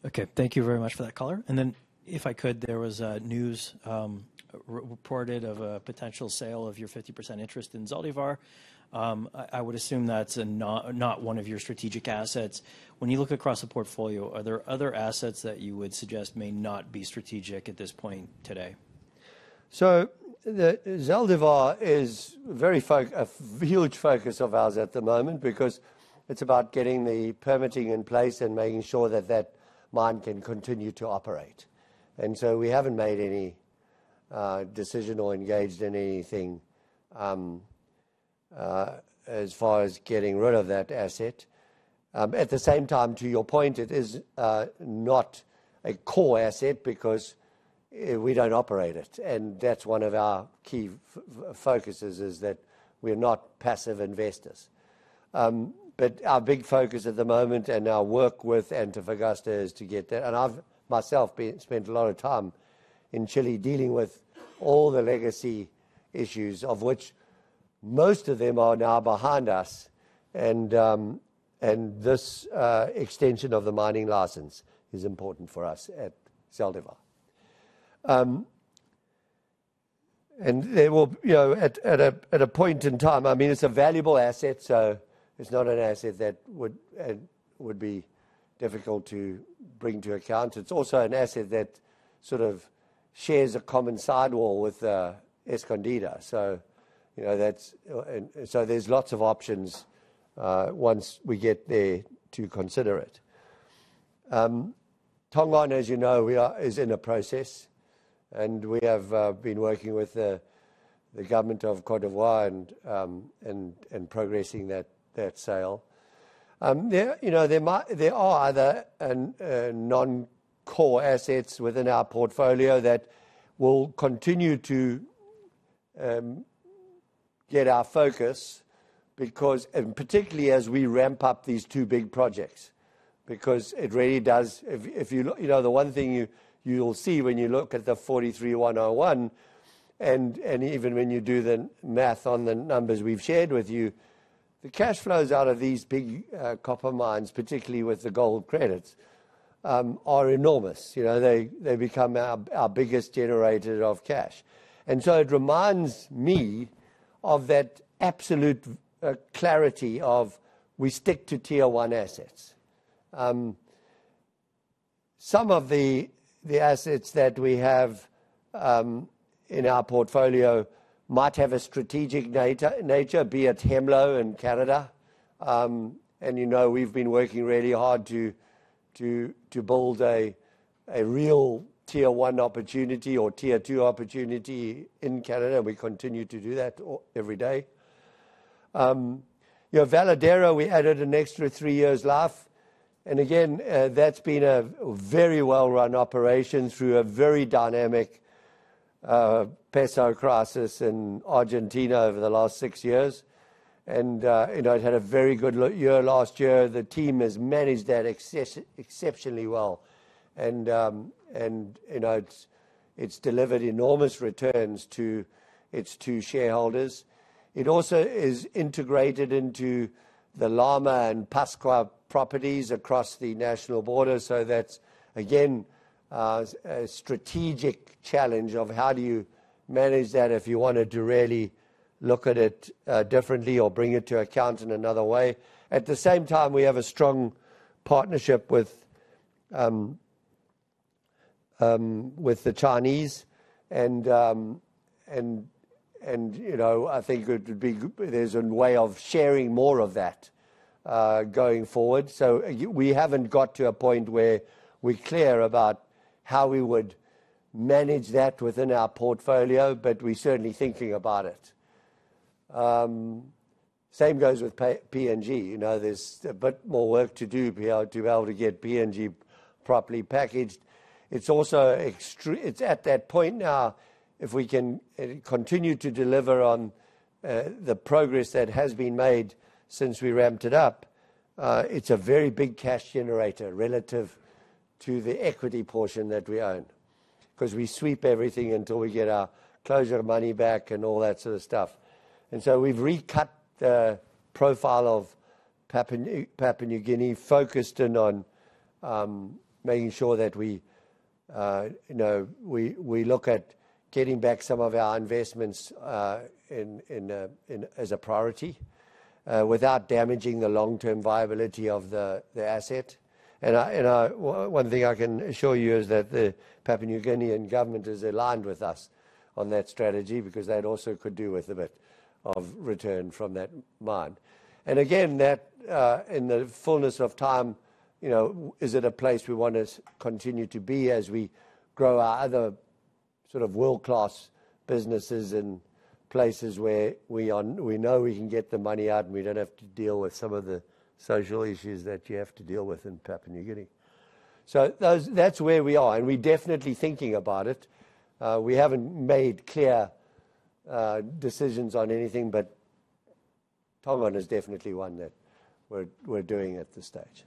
Okay. Thank you very much for that color. And then if I could, there was news reported of a potential sale of your 50% interest in Zaldívar. I would assume that's not one of your strategic assets. When you look across the portfolio, are there other assets that you would suggest may not be strategic at this point today? So Zaldívar is a huge focus of ours at the moment because it's about getting the permitting in place and making sure that that mine can continue to operate. And so we haven't made any decision or engaged anything as far as getting rid of that asset. At the same time, to your point, it is not a core asset because we don't operate it. And that's one of our key focuses is that we're not passive investors. But our big focus at the moment and our work with Antofagasta is to get that. And I've myself spent a lot of time in Chile dealing with all the legacy issues, of which most of them are now behind us. And this extension of the mining license is important for us at Zaldívar. And at a point in time, I mean, it's a valuable asset. It's not an asset that would be difficult to bring to account. It's also an asset that sort of shares a common sidewall with Escondida. There's lots of options once we get there to consider it. Tongon, as you know, is in the process. We have been working with the government of Côte d'Ivoire and progressing that sale. There are other non-core assets within our portfolio that will continue to get our focus because, and particularly as we ramp up these two big projects, because it really does. The one thing you'll see when you look at the 43-101, and even when you do the math on the numbers we've shared with you, the cash flows out of these big copper mines, particularly with the gold credits, are enormous. They become our biggest generator of cash. And so it reminds me of that absolute clarity of we stick to Tier One assets. Some of the assets that we have in our portfolio might have a strategic nature, be it Hemlo in Canada. And we've been working really hard to build a real Tier One opportunity or Tier Two opportunity in Canada. We continue to do that every day. Veladero, we added an extra three years left. And again, that's been a very well-run operation through a very dynamic peso crisis in Argentina over the last six years. And it had a very good year last year. The team has managed that exceptionally well. And it's delivered enormous returns to its two shareholders. It also is integrated into the Lama and Pascua properties across the national border. So that's, again, a strategic challenge of how do you manage that if you wanted to really look at it differently or bring it to account in another way. At the same time, we have a strong partnership with the Chinese. And I think there's a way of sharing more of that going forward. So we haven't got to a point where we're clear about how we would manage that within our portfolio, but we're certainly thinking about it. Same goes with PNG. There's a bit more work to do to be able to get PNG properly packaged. It's at that point now, if we can continue to deliver on the progress that has been made since we ramped it up. It's a very big cash generator relative to the equity portion that we own because we sweep everything until we get our closure of money back and all that sort of stuff. And so we've recut the profile of Papua New Guinea, focused in on making sure that we look at getting back some of our investments as a priority without damaging the long-term viability of the asset. And one thing I can assure you is that the Papua New Guinean government is aligned with us on that strategy because they also could do with a bit of return from that mine. And again, in the fullness of time, is it a place we want to continue to be as we grow our other sort of world-class businesses in places where we know we can get the money out and we don't have to deal with some of the social issues that you have to deal with in Papua New Guinea? So that's where we are. And we're definitely thinking about it. We haven't made clear decisions on anything, but Tongon is definitely one that we're doing at this stage.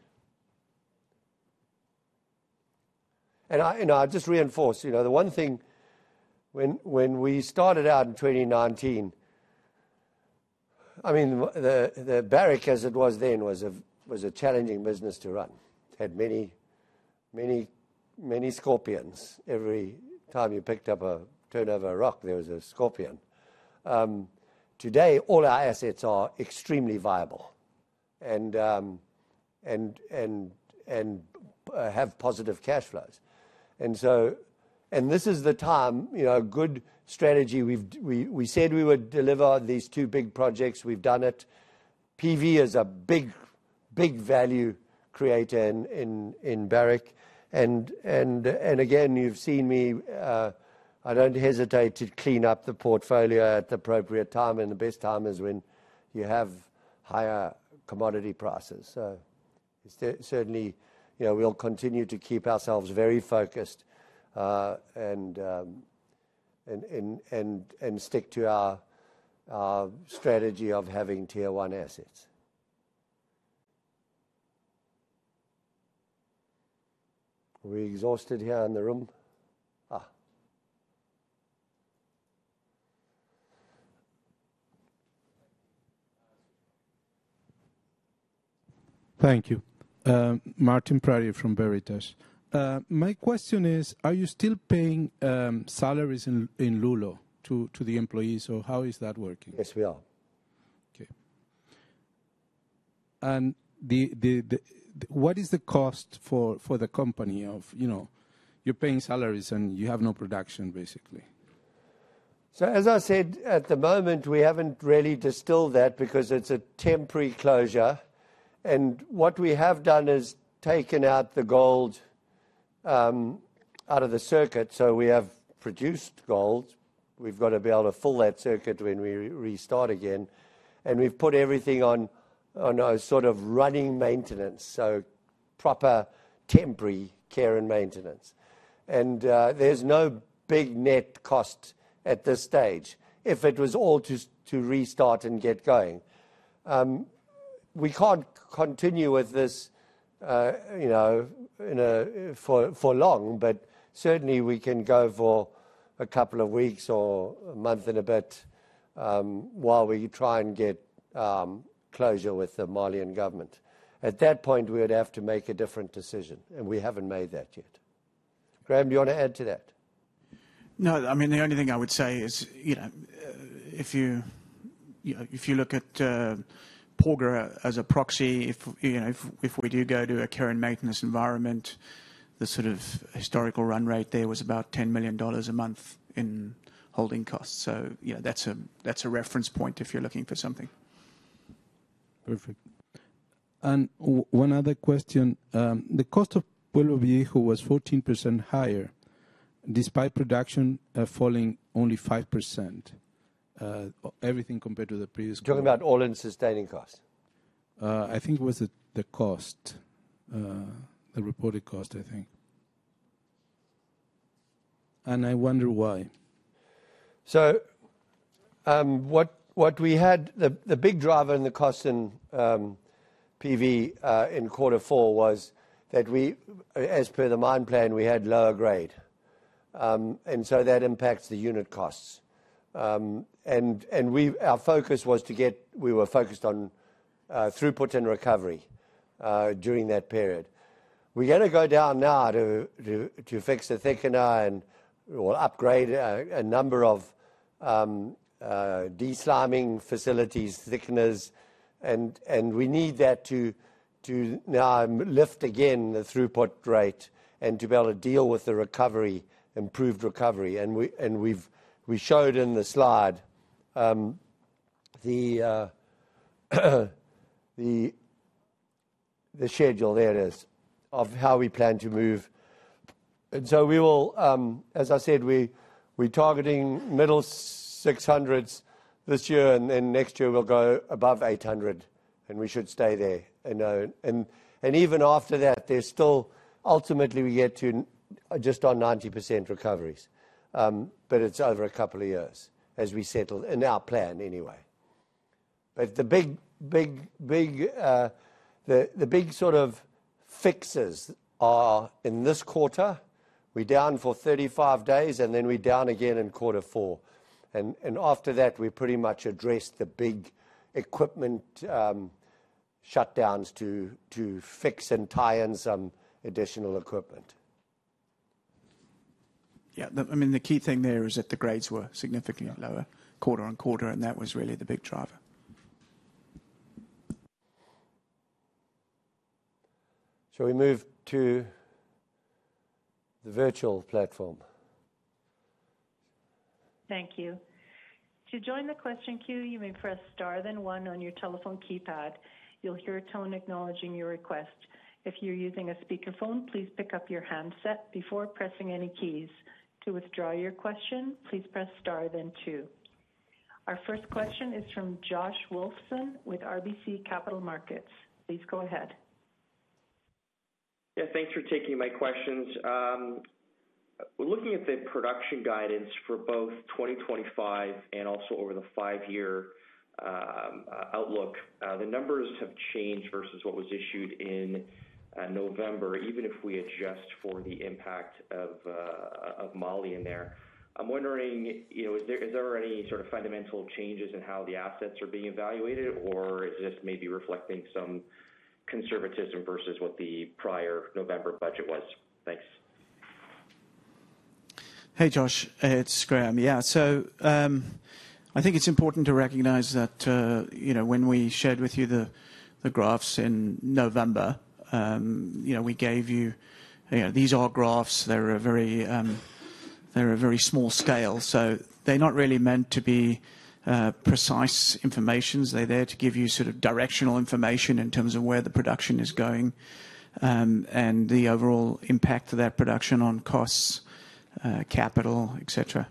And I'll just reinforce, the one thing when we started out in 2019, I mean, the Barrick, as it was then, was a challenging business to run. It had many scorpions. Every time you turned over a rock, there was a scorpion. Today, all our assets are extremely viable and have positive cash flows. This is the time, a good strategy. We said we would deliver on these two big projects. We've done it. PV is a big value creator in Barrick. Again, you've seen me. I don't hesitate to clean up the portfolio at the appropriate time. The best time is when you have higher commodity prices. Certainly, we'll continue to keep ourselves very focused and stick to our strategy of having Tier One assets. Are we exhausted here in the room? Thank you. Martin Pradier from Veritas. My question is, are you still paying salaries in Loulo to the employees or how is that working? Yes, we are. Okay. And what is the cost for the company of you're paying salaries and you have no production, basically? So as I said, at the moment, we haven't really distilled that because it's a temporary closure. And what we have done is taken out the gold out of the circuit. So we have produced gold. We've got to be able to fill that circuit when we restart again. And we've put everything on a sort of running maintenance, so proper temporary care and maintenance. And there's no big net cost at this stage if it was all to restart and get going. We can't continue with this for long, but certainly, we can go for a couple of weeks or a month and a bit while we try and get closure with the Malian government. At that point, we would have to make a different decision. And we haven't made that yet. Graham, do you want to add to that? No. I mean, the only thing I would say is if you look at Porgera as a proxy, if we do go to a care and maintenance environment, the sort of historical run rate there was about $10 million a month in holding costs. So that's a reference point if you're looking for something. Perfect. And one other question. The cost of Pueblo Viejo was 14% higher despite production falling only 5%. Everything compared to the previous quarter. You're talking about all-in sustaining costs? I think it was the cost, the reported cost, I think, and I wonder why. What we had, the big driver in the cost in PV in quarter four was that as per the mine plan, we had lower grade. So that impacts the unit costs. Our focus was we were focused on throughput and recovery during that period. We're going to go down now to fix the thickener and we'll upgrade a number of de-sliming facilities, thickeners. We need that to now lift again the throughput rate and to be able to deal with the improved recovery. We showed in the slide the schedule, there it is, of how we plan to move. So we will, as I said, we're targeting middle 600s this year, and then next year we'll go above 800. We should stay there. Even after that, there's still ultimately we get to just on 90% recoveries. But it's over a couple of years as we settle in our plan anyway. But the big sort of fixes are in this quarter. We're down for 35 days, and then we're down again in quarter four. And after that, we pretty much addressed the big equipment shutdowns to fix and tie in some additional equipment. Yeah. I mean, the key thing there is that the grades were significantly lower quarter on quarter, and that was really the big driver. Shall we move to the virtual platform? Thank you. To join the question queue, you may press star then one on your telephone keypad. You'll hear a tone acknowledging your request. If you're using a speakerphone, please pick up your handset before pressing any keys. To withdraw your question, please press star then two. Our first question is from Josh Wolfson with RBC Capital Markets. Please go ahead. Yeah. Thanks for taking my questions. Looking at the production guidance for both 2025 and also over the five-year outlook, the numbers have changed versus what was issued in November, even if we adjust for the impact of Mali in there. I'm wondering, is there any sort of fundamental changes in how the assets are being evaluated, or is this maybe reflecting some conservatism versus what the prior November budget was? Thanks. Hey, Josh. It's Graham. Yeah. So I think it's important to recognize that when we shared with you the graphs in November, we gave you these are graphs. They're a very small scale. So they're not really meant to be precise information. They're there to give you sort of directional information in terms of where the production is going and the overall impact of that production on costs, capital, etc.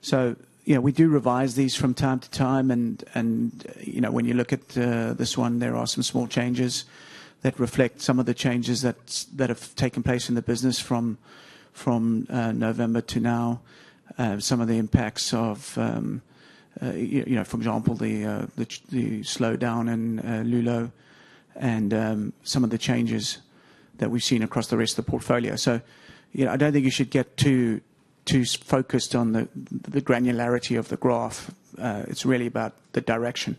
So we do revise these from time to time. And when you look at this one, there are some small changes that reflect some of the changes that have taken place in the business from November to now, some of the impacts of, for example, the slowdown in Loulo and some of the changes that we've seen across the rest of the portfolio. So I don't think you should get too focused on the granularity of the graph. It's really about the direction.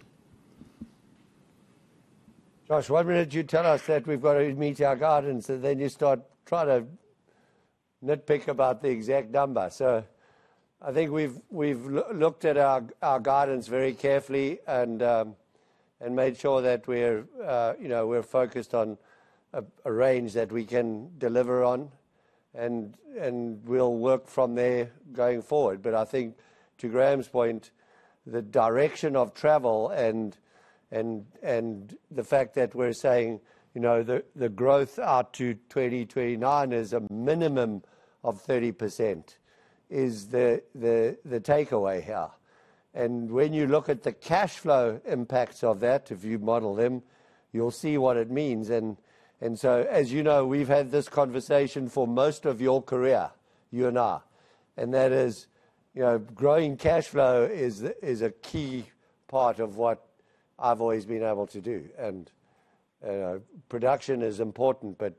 Josh, what did you tell us that we've got to meet our guidance? And then you start trying to nitpick about the exact number. So I think we've looked at our guidance very carefully and made sure that we're focused on a range that we can deliver on. And we'll work from there going forward. But I think to Graham's point, the direction of travel and the fact that we're saying the growth out to 2029 is a minimum of 30% is the takeaway here. And when you look at the cash flow impacts of that, if you model them, you'll see what it means. And so, as you know, we've had this conversation for most of your career, you and I. And that is growing cash flow is a key part of what I've always been able to do. Production is important, but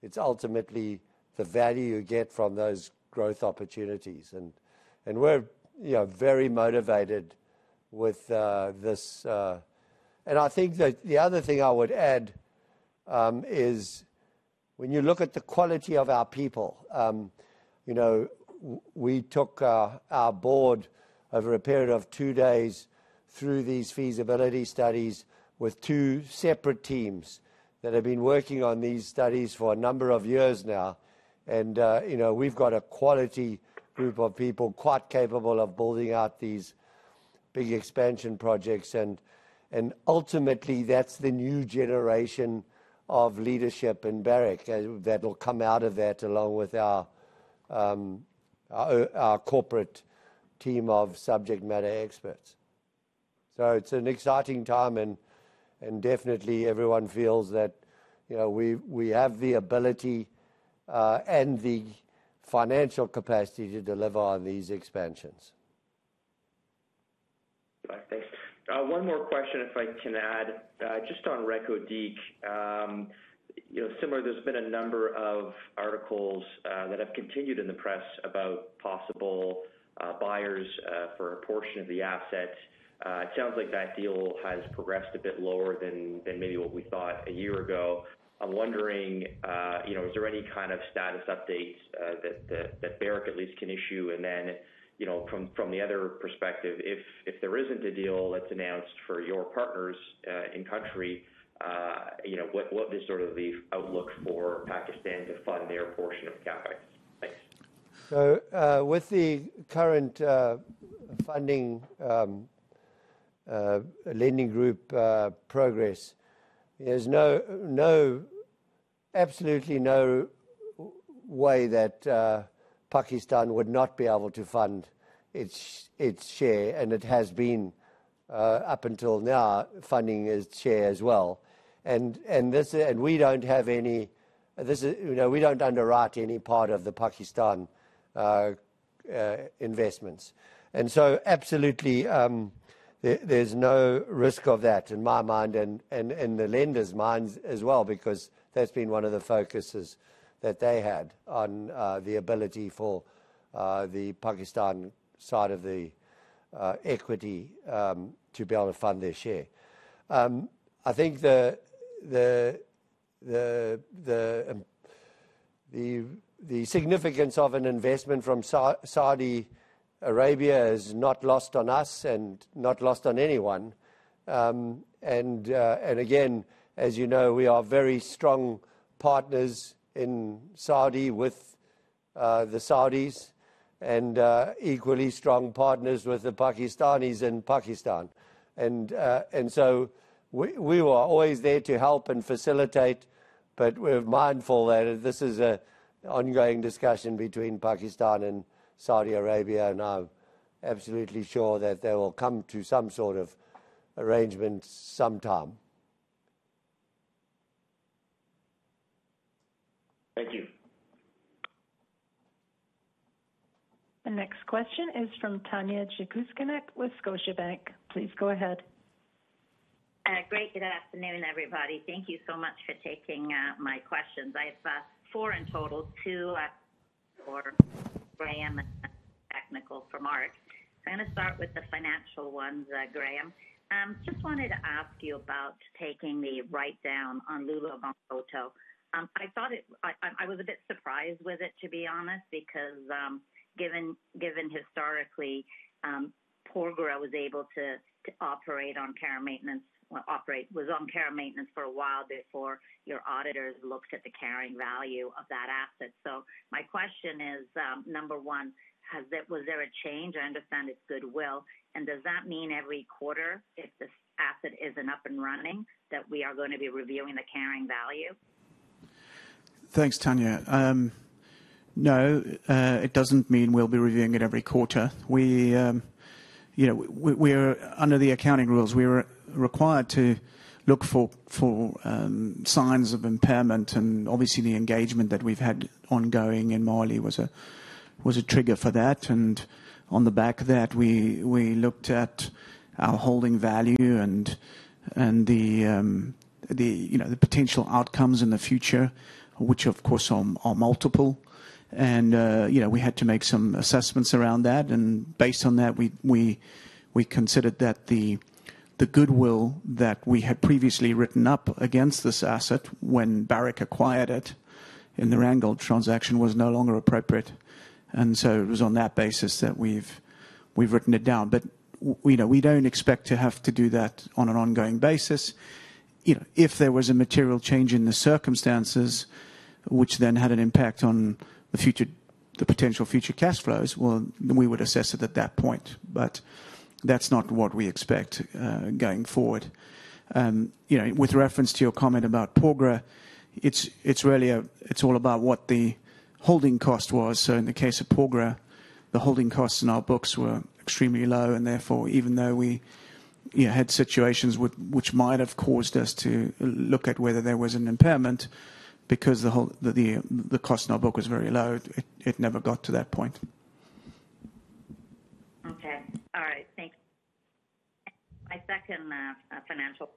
it's ultimately the value you get from those growth opportunities. We're very motivated with this. I think the other thing I would add is when you look at the quality of our people, we took our board over a period of two days through these feasibility studies with two separate teams that have been working on these studies for a number of years now. We've got a quality group of people quite capable of building out these big expansion projects. Ultimately, that's the new generation of leadership in Barrick that will come out of that along with our corporate team of subject matter experts. It's an exciting time. Definitely, everyone feels that we have the ability and the financial capacity to deliver on these expansions. One more question, if I can add. Just on Reko Diq, similar, there's been a number of articles that have continued in the press about possible buyers for a portion of the assets. It sounds like that deal has progressed a bit lower than maybe what we thought a year ago. I'm wondering, is there any kind of status updates that Barrick at least can issue? And then from the other perspective, if there isn't a deal that's announced for your partners in country, what is sort of the outlook for Pakistan to fund their portion of CapEx? Thanks. With the current funding lending group progress, there's absolutely no way that Pakistan would not be able to fund its share. And it has been up until now, funding its share as well. And we don't underwrite any part of the Pakistan investments. And so absolutely, there's no risk of that in my mind and in the lenders' minds as well because that's been one of the focuses that they had on the ability for the Pakistan side of the equity to be able to fund their share. I think the significance of an investment from Saudi Arabia is not lost on us and not lost on anyone. And again, as you know, we are very strong partners in Saudi with the Saudis and equally strong partners with the Pakistanis in Pakistan. We were always there to help and facilitate, but we're mindful that this is an ongoing discussion between Pakistan and Saudi Arabia. I'm absolutely sure that there will come to some sort of arrangement sometime. Thank you. The next question is from Tanya Jakusconek with Scotiabank. Please go ahead. Great. Good afternoon, everybody. Thank you so much for taking my questions. I have four in total, two for Graham and technical from Mark. So I'm going to start with the financial ones, Graham. Just wanted to ask you about taking the write-down on Loulo-Gounkoto. I was a bit surprised with it, to be honest, because given historically, Porgera was able to operate on care and maintenance, was on care and maintenance for a while before your auditors looked at the carrying value of that asset. So my question is, number one, was there a change? I understand it's goodwill. And does that mean every quarter, if this asset isn't up and running, that we are going to be reviewing the carrying value? Thanks, Tanya. No, it doesn't mean we'll be reviewing it every quarter. Under the accounting rules, we were required to look for signs of impairment. And obviously, the engagement that we've had ongoing in Mali was a trigger for that. And on the back of that, we looked at our holding value and the potential outcomes in the future, which, of course, are multiple. And we had to make some assessments around that. And based on that, we considered that the goodwill that we had previously written up against this asset when Barrick acquired it in the Randgold transaction was no longer appropriate. And so it was on that basis that we've written it down. But we don't expect to have to do that on an ongoing basis. If there was a material change in the circumstances, which then had an impact on the potential future cash flows, well, we would assess it at that point. But that's not what we expect going forward. With reference to your comment about Porgera, it's all about what the holding cost was. So in the case of Porgera, the holding costs in our books were extremely low. And therefore, even though we had situations which might have caused us to look at whether there was an impairment because the cost in our book was very low, it never got to that point. Okay. All right. Thanks. My second financial,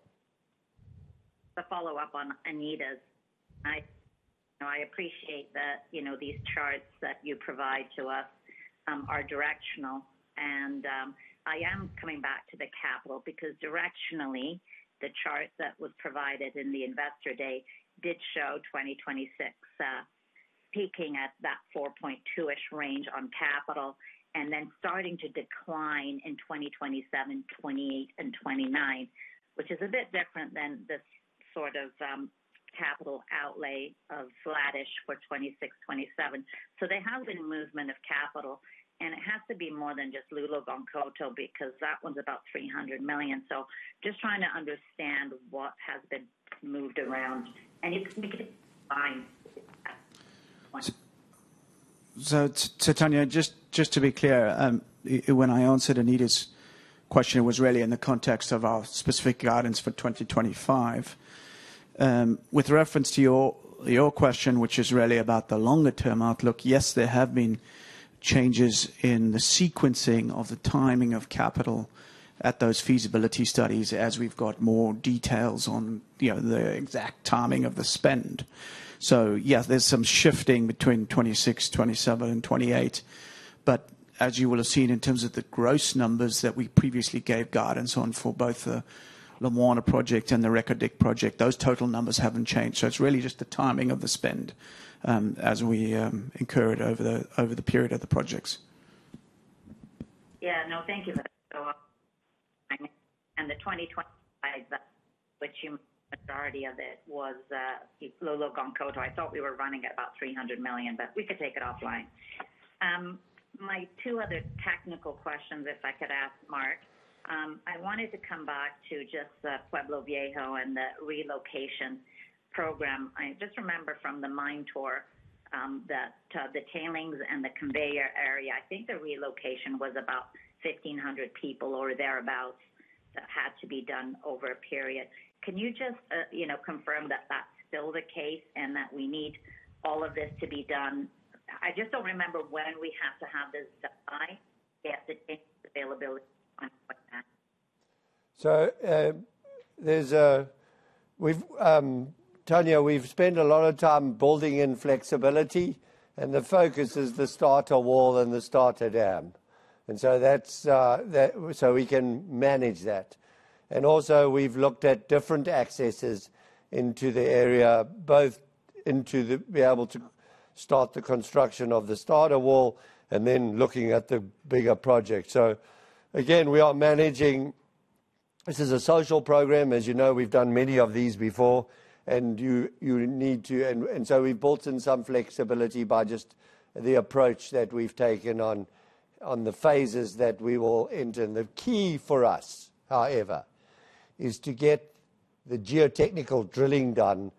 the follow-up on Anita's. I appreciate that these charts that you provide to us are directional. And I am coming back to the capital because directionally, the chart that was provided in Investor Day did show 2026 peaking at that 4.2-ish range on capital and then starting to decline in 2027, 2028, and 2029, which is a bit different than this sort of capital outlay of flatish for 2026, 2027. So there has been movement of capital. And it has to be more than just Loulo-Gounkoto, because that one's about $300 million. So just trying to understand what has been moved around. And you can make it fine. Tanya, just to be clear, when I answered Anita's question, it was really in the context of our specific guidance for 2025. With reference to your question, which is really about the longer-term outlook, yes, there have been changes in the sequencing of the timing of capital at those feasibility studies as we've got more details on the exact timing of the spend. So yes, there's some shifting between 2026, 2027, and 2028. But as you will have seen, in terms of the gross numbers that we previously gave guidance on for both the Lumwana project and the Reko Diq project, those total numbers haven't changed. So it's really just the timing of the spend as we incurred over the period of the projects. Yeah. No, thank you for that, and the 2025, which you majority of it was Loulo-Gounkoto, I thought we were running at about $300 million, but we could take it offline. My two other technical questions, if I could ask Mark. I wanted to come back to just Pueblo Viejo and the relocation program. I just remember from the mine tour that the tailings and the conveyor area, I think the relocation was about 1,500 people or thereabouts that had to be done over a period. Can you just confirm that that's still the case and that we need all of this to be done? I just don't remember when we have to have this done. I guess it depends on availability on what's next. So Tanya, we've spent a lot of time building in flexibility. And the focus is the starter wall and the starter dam. And so we can manage that. And also, we've looked at different accesses into the area, both into being able to start the construction of the starter wall and then looking at the bigger project. So again, we are managing this as a social program. As you know, we've done many of these before. And so we've built in some flexibility by just the approach that we've taken on the phases that we will enter. And the key for us, however, is to get the geotechnical drilling done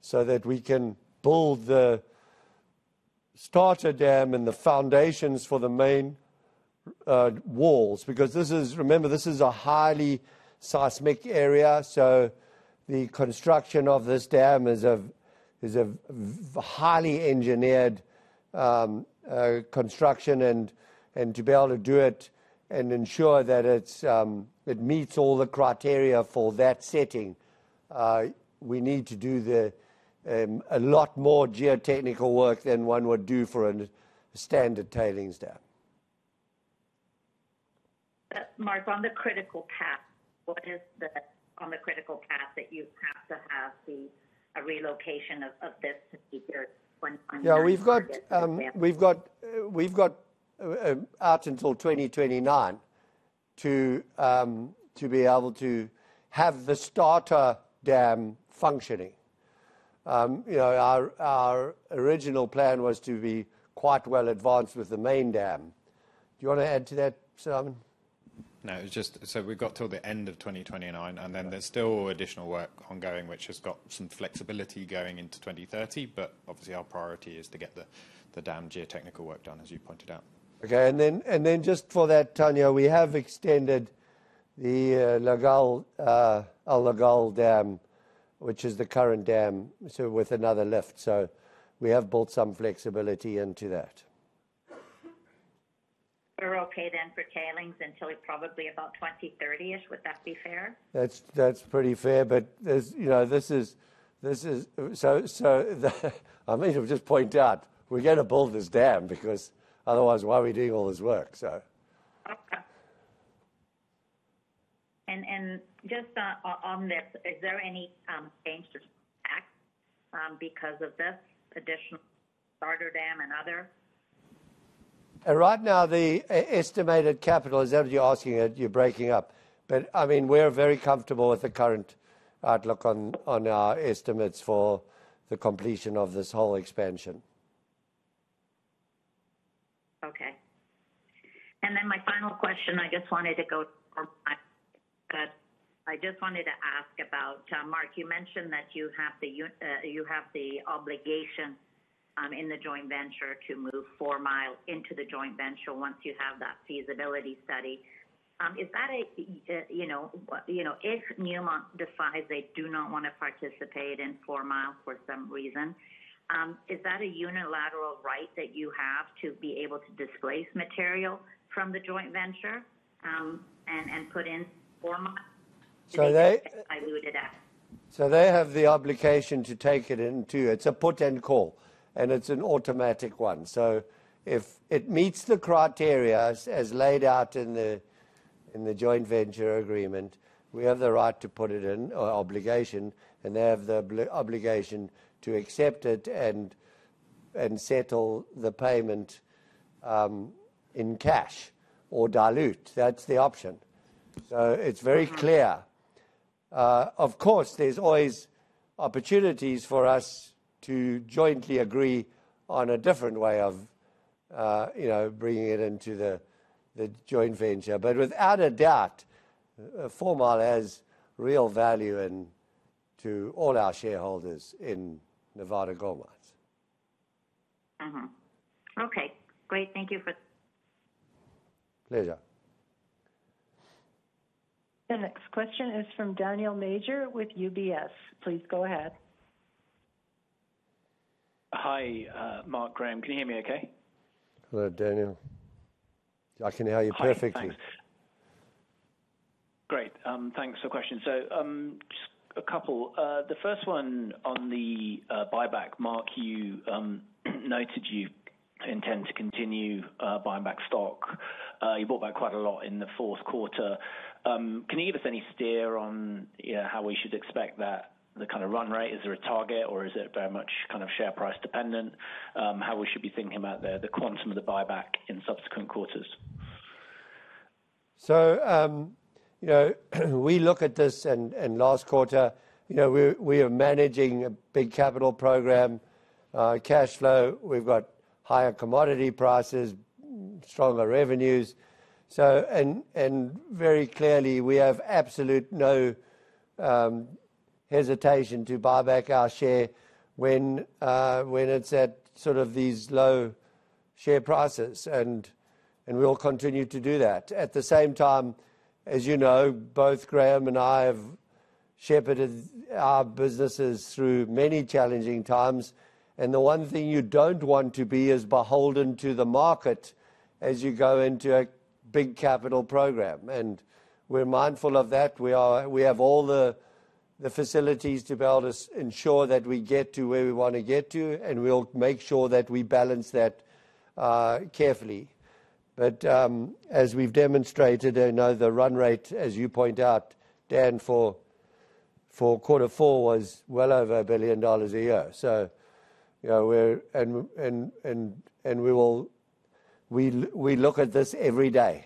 so that we can build the starter dam and the foundations for the main walls. Because remember, this is a highly seismic area. So the construction of this dam is a highly engineered construction. To be able to do it and ensure that it meets all the criteria for that setting, we need to do a lot more geotechnical work than one would do for a standard tailings dam. Mark, on the critical path, what is on the critical path that you have to have the relocation of this to be here? Yeah. We've got out until 2029 to be able to have the starter dam functioning. Our original plan was to be quite well advanced with the main dam. Do you want to add to that, Simon? No. So we got till the end of 2029. And then there's still additional work ongoing, which has got some flexibility going into 2030. But obviously, our priority is to get the dam geotechnical work done, as you pointed out. Okay. And then just for that, Tanya, we have extended the El Llagal dam, which is the current dam, so with another lift. So we have built some flexibility into that. We're okay then for tailings until probably about 2030-ish. Would that be fair? That's pretty fair. But I mean, just point out, we're going to build this dam because otherwise, why are we doing all this work? Okay. And just on this, is there any change to tax because of this additional starter dam and other? Right now, the estimated capital is that you're asking it, you're breaking up. But I mean, we're very comfortable with the current outlook on our estimates for the completion of this whole expansion. Okay. And then my final question, I just wanted to ask about Mark. You mentioned that you have the obligation in the joint venture to move Fourmile into the joint venture once you have that feasibility study. Is that a, if Newmont decides they do not want to participate in Fourmile for some reason, is that a unilateral right that you have to be able to displace material from the joint venture and put in Fourmile? So they have the obligation to take it in too. It's a put and call. And it's an automatic one. So if it meets the criteria as laid out in the joint venture agreement, we have the right to put it in, or obligation. And they have the obligation to accept it and settle the payment in cash or dilute. That's the option. So it's very clear. Of course, there's always opportunities for us to jointly agree on a different way of bringing it into the joint venture. But without a doubt, Fourmile has real value to all our shareholders in Nevada Gold Mines. Okay. Great. Thank you for. Pleasure. The next question is from Daniel Major with UBS. Please go ahead. Hi, Mark, Graham. Can you hear me okay? Hello, Daniel. I can hear you perfectly. Great. Thanks for the question. So just a couple. The first one on the buyback, Mark, you noted you intend to continue buying back stock. You bought back quite a lot in the fourth quarter. Can you give us any steer on how we should expect that, the kind of run rate? Is there a target, or is it very much kind of share price dependent? How we should be thinking about the quantum of the buyback in subsequent quarters? We look at this in last quarter. We are managing a big capital program, cash flow. We've got higher commodity prices, stronger revenues. Very clearly, we have absolutely no hesitation to buy back our share when it's at sort of these low share prices. We'll continue to do that. At the same time, as you know, both Graham and I have shepherded our businesses through many challenging times. The one thing you don't want to be is beholden to the market as you go into a big capital program. We're mindful of that. We have all the facilities to be able to ensure that we get to where we want to get to. We'll make sure that we balance that carefully. As we've demonstrated, the run rate, as you point out, Dan, for quarter four was well over $1 billion a year. We look at this every day.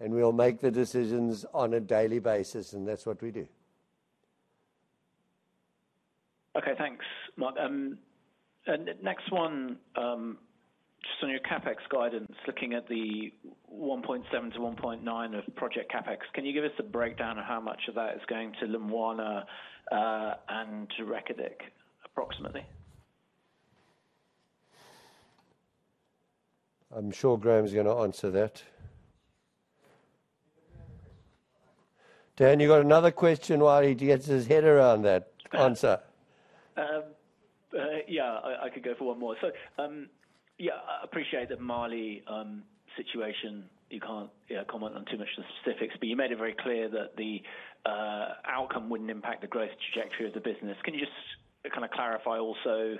We'll make the decisions on a daily basis. That's what we do. Okay. Thanks, Mark. And next one, just on your CapEx guidance, looking at the 1.7-1.9 of project CapEx, can you give us a breakdown of how much of that is going to Lumwana and to Reko Diq, approximately? I'm sure Graham's going to answer that. Dan, you got another question while he gets his head around that answer? Yeah. I could go for one more. So yeah, I appreciate the Mali situation. You can't comment on too much of the specifics. But you made it very clear that the outcome wouldn't impact the growth trajectory of the business. Can you just kind of clarify also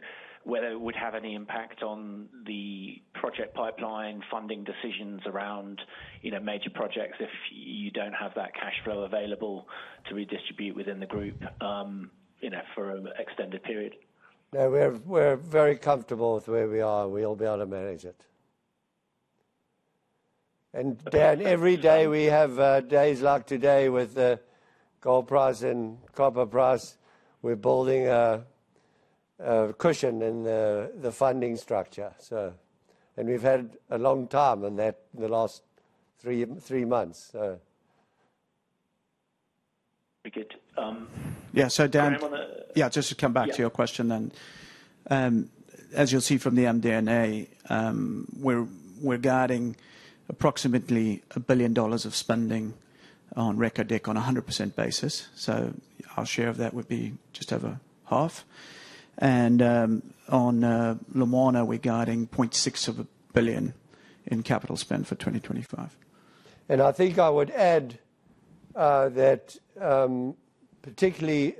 whether it would have any impact on the project pipeline, funding decisions around major projects if you don't have that cash flow available to redistribute within the group for an extended period? No, we're very comfortable with where we are. We'll be able to manage it, and Dan, every day we have days like today with the gold price and copper price, we're building a cushion in the funding structure, and we've had a long time on that in the last three months. Very good. Yeah. So Dan, yeah, just to come back to your question then. As you'll see from the MD&A, we're guiding approximately $1 billion of spending on Reko Diq on a 100% basis. So our share of that would be just over half. And on Lumwana, we're guiding $600 million in capital spend for 2025. I think I would add that particularly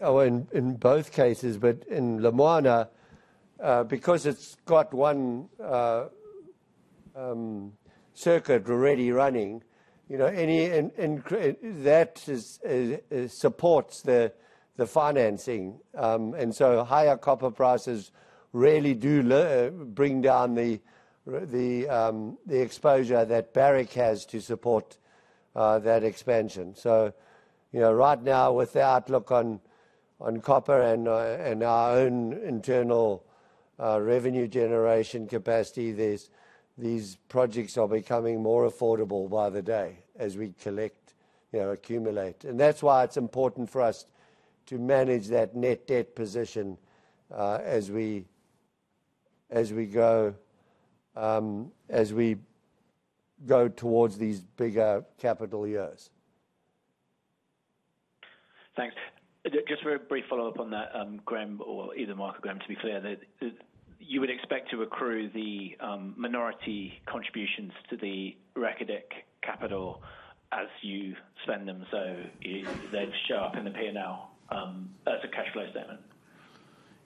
in both cases, but in Lumwana, because it's got one circuit already running, that supports the financing. So higher copper prices really do bring down the exposure that Barrick has to support that expansion. Right now, with the outlook on copper and our own internal revenue generation capacity, these projects are becoming more affordable by the day as we collect, accumulate. That's why it's important for us to manage that net debt position as we go towards these bigger capital years. Thanks. Just a very brief follow-up on that, Graham, or either Mark or Graham, to be clear. You would expect to accrue the minority contributions to the Reko Diq capital as you spend them. So they'd show up in the P&L as a cash flow statement.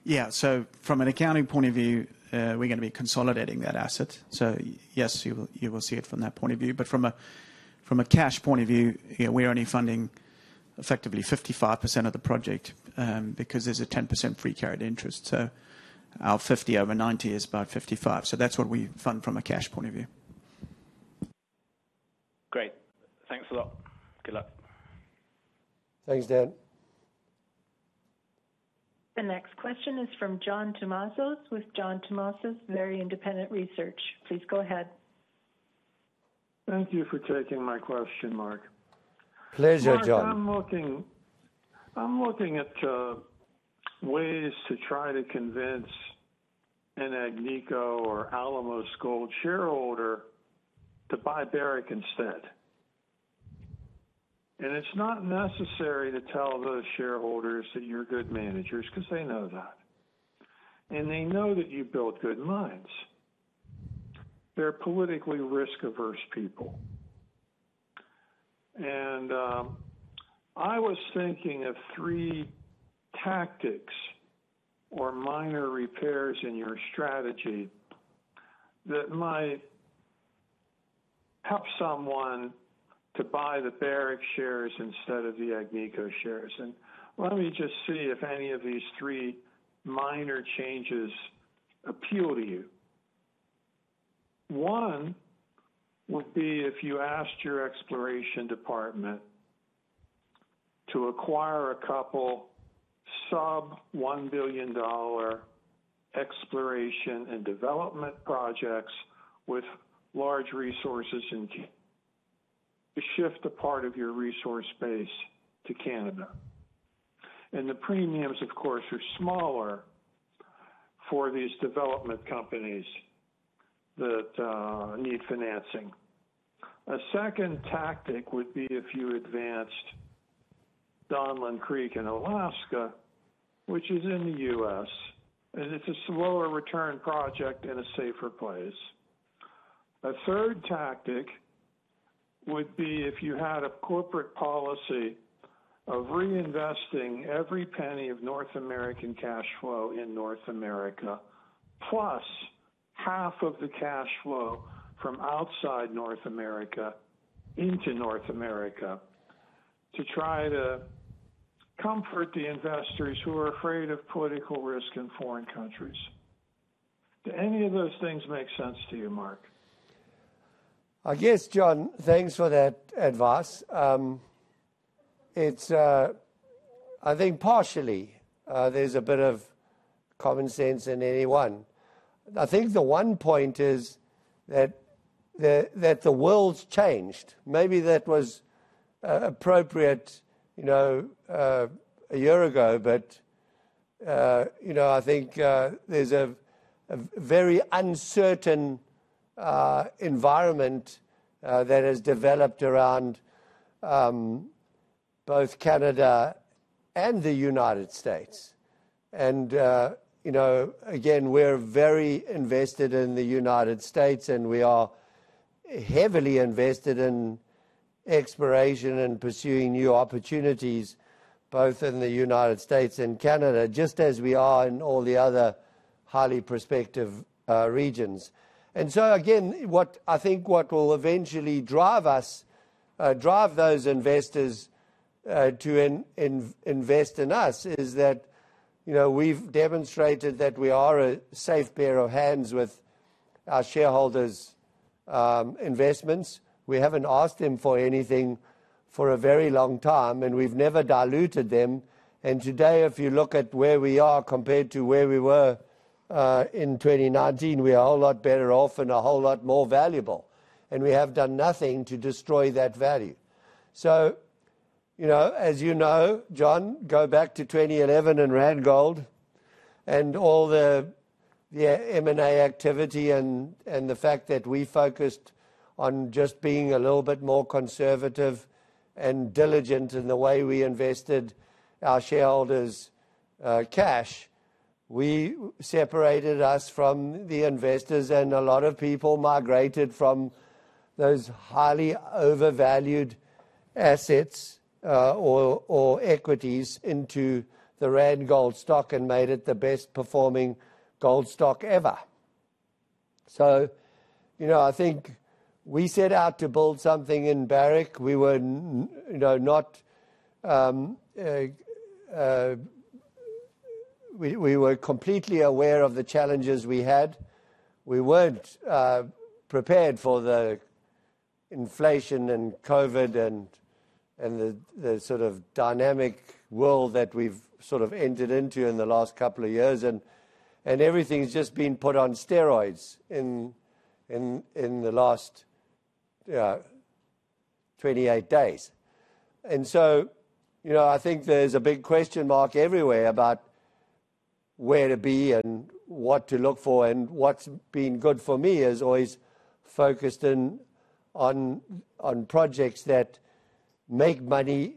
Yeah. So from an accounting point of view, we're going to be consolidating that asset. So yes, you will see it from that point of view. But from a cash point of view, we're only funding effectively 55% of the project because there's a 10% free carried interest. So our 50 over 90 is about 55. So that's what we fund from a cash point of view. Great. Thanks a lot. Good luck. Thanks, Dan. The next question is from John Tumazos with John Tumazos Very Independent Research. Please go ahead. Thank you for taking my question, Mark. Pleasure, John. I'm looking at ways to try to convince an Agnico or Alamos Gold shareholder to buy Barrick instead. And it's not necessary to tell those shareholders that you're good managers because they know that. And they know that you built good mines. They're politically risk-averse people. And I was thinking of three tactics or minor repairs in your strategy that might help someone to buy the Barrick shares instead of the Agnico shares. And let me just see if any of these three minor changes appeal to you. One would be if you asked your exploration department to acquire a couple sub-$1 billion exploration and development projects with large resources to shift a part of your resource base to Canada. And the premiums, of course, are smaller for these development companies that need financing. A second tactic would be if you advanced Donlin Creek in Alaska, which is in the U.S., and it's a slower return project in a safer place. A third tactic would be if you had a corporate policy of reinvesting every penny of North American cash flow in North America, plus half of the cash flow from outside North America into North America to try to comfort the investors who are afraid of political risk in foreign countries. Do any of those things make sense to you, Mark? Yes, John, thanks for that advice. I think partially there's a bit of common sense in any one. I think the one point is that the world's changed. Maybe that was appropriate a year ago. But I think there's a very uncertain environment that has developed around both Canada and the United States. And again, we're very invested in the United States. And we are heavily invested in exploration and pursuing new opportunities, both in the United States and Canada, just as we are in all the other highly prospective regions. And so again, I think what will eventually drive those investors to invest in us is that we've demonstrated that we are a safe pair of hands with our shareholders' investments. We haven't asked them for anything for a very long time. And we've never diluted them. Today, if you look at where we are compared to where we were in 2019, we are a whole lot better off and a whole lot more valuable. We have done nothing to destroy that value. As you know, John, go back to 2011 and Randgold and all the M&A activity and the fact that we focused on just being a little bit more conservative and diligent in the way we invested our shareholders' cash. We separated us from the investors. A lot of people migrated from those highly overvalued assets or equities into the Randgold stock and made it the best performing gold stock ever. I think we set out to build something in Barrick. We were not completely aware of the challenges we had. We weren't prepared for the inflation and COVID and the sort of dynamic world that we've sort of entered into in the last couple of years. Everything's just been put on steroids in the last 28 days. So I think there's a big question mark everywhere about where to be and what to look for. What's been good for me is always focused on projects that make money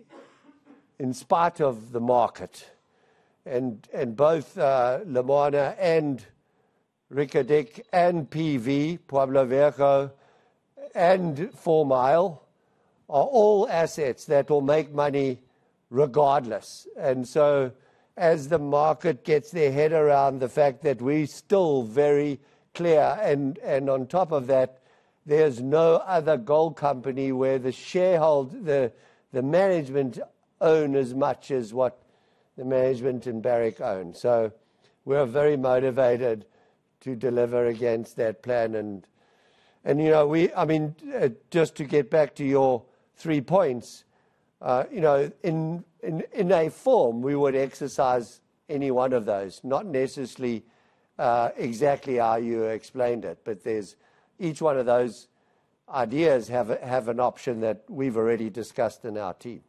in spite of the market. Both Lumwana and Reko Diq and PV, Pueblo Viejo, and Fourmile are all assets that will make money regardless. So as the market gets their head around the fact that we're still very clear and on top of that, there's no other gold company where the management own as much as what the management in Barrick own. We're very motivated to deliver against that plan. And I mean, just to get back to your three points, in a form, we would exercise any one of those, not necessarily exactly how you explained it. But each one of those ideas has an option that we've already discussed in our team.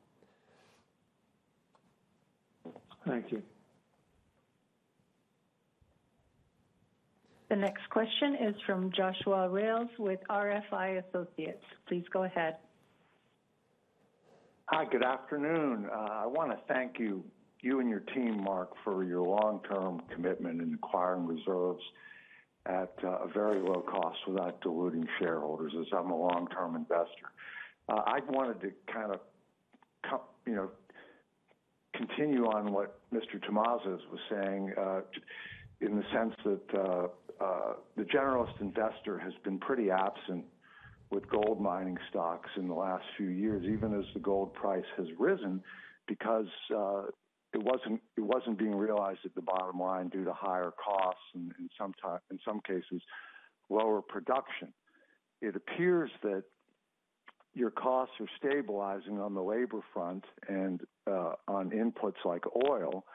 Thank you. The next question is from Joshua Rales with RFI Associates. Please go ahead. Hi, good afternoon. I want to thank you and your team, Mark, for your long-term commitment in acquiring reserves at a very low cost without diluting shareholders as I'm a long-term investor. I wanted to kind of continue on what Mr. Tumazos was saying in the sense that the generalist investor has been pretty absent with gold mining stocks in the last few years, even as the gold price has risen because it wasn't being realized at the bottom line due to higher costs and in some cases, lower production. It appears that your costs are stabilizing on the labor front and on inputs like oil.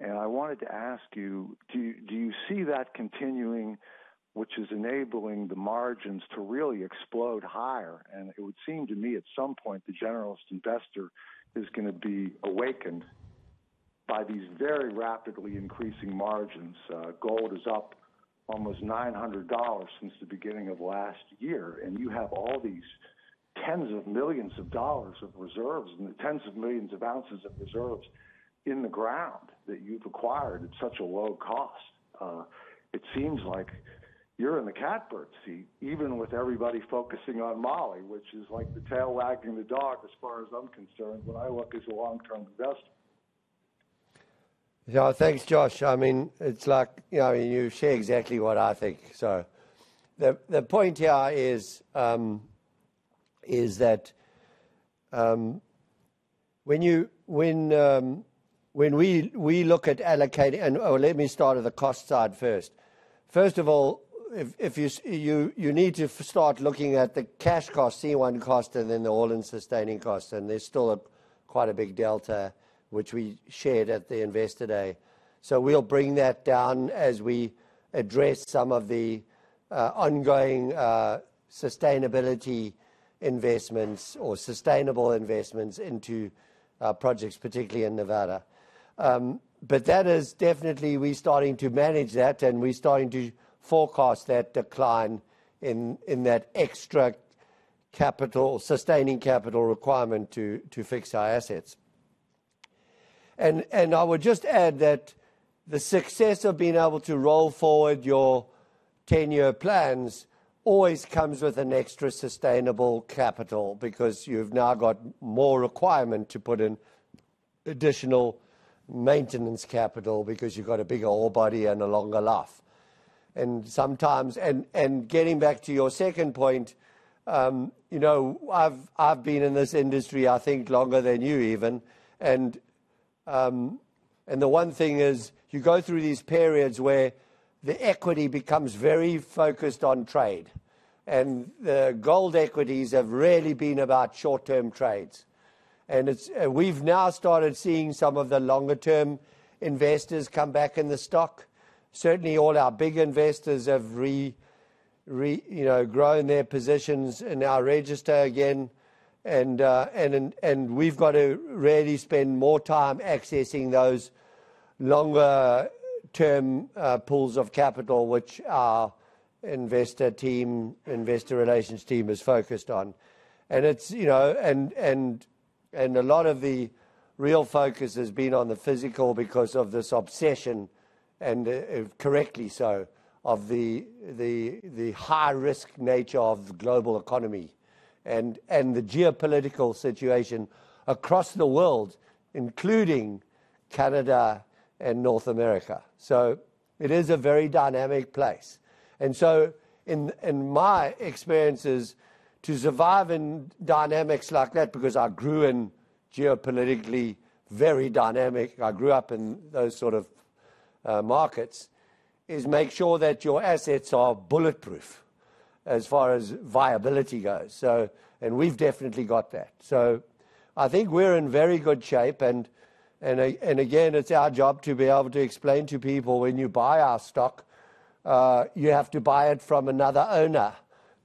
And I wanted to ask you, do you see that continuing, which is enabling the margins to really explode higher? And it would seem to me at some point the generalist investor is going to be awakened by these very rapidly increasing margins. Gold is up almost $900 since the beginning of last year, and you have all these tens of millions of dollars of reserves and the tens of millions of ounces of reserves in the ground that you've acquired at such a low cost. It seems like you're in the catbird seat, even with everybody focusing on Mali, which is like the tail wagging the dog as far as I'm concerned when I look as a long-term investor. Thanks, Josh. I mean, it's like you say exactly what I think. So the point here is that when we look at allocating, and let me start at the cost side first. First of all, you need to start looking at the cash cost, C1 cost, and then the all-in sustaining costs. And there's still quite a big delta, which we shared at Investor Day. so we'll bring that down as we address some of the ongoing sustainability investments or sustainable investments into projects, particularly in Nevada. But that is definitely, we're starting to manage that. And we're starting to forecast that decline in that extra capital sustaining capital requirement to fix our assets. And I would just add that the success of being able to roll forward your 10-year plans always comes with an extra sustaining capital because you've now got more requirement to put in additional maintenance capital because you've got a bigger ore body and a longer life. And getting back to your second point, I've been in this industry, I think, longer than you even. And the one thing is you go through these periods where the equity becomes very focused on trade. And the gold equities have rarely been about short-term trades. And we've now started seeing some of the longer-term investors come back in the stock. Certainly, all our big investors have grown their positions in our register again. And we've got to really spend more time accessing those longer-term pools of capital, which our investor team, investor relations team is focused on. And a lot of the real focus has been on the physical because of this obsession, and correctly so, of the high-risk nature of the global economy and the geopolitical situation across the world, including Canada and North America. So it is a very dynamic place. And so in my experiences, to survive in dynamics like that, because I grew in geopolitically very dynamic, I grew up in those sort of markets, is make sure that your assets are bulletproof as far as viability goes. And we've definitely got that. So I think we're in very good shape. And again, it's our job to be able to explain to people when you buy our stock, you have to buy it from another owner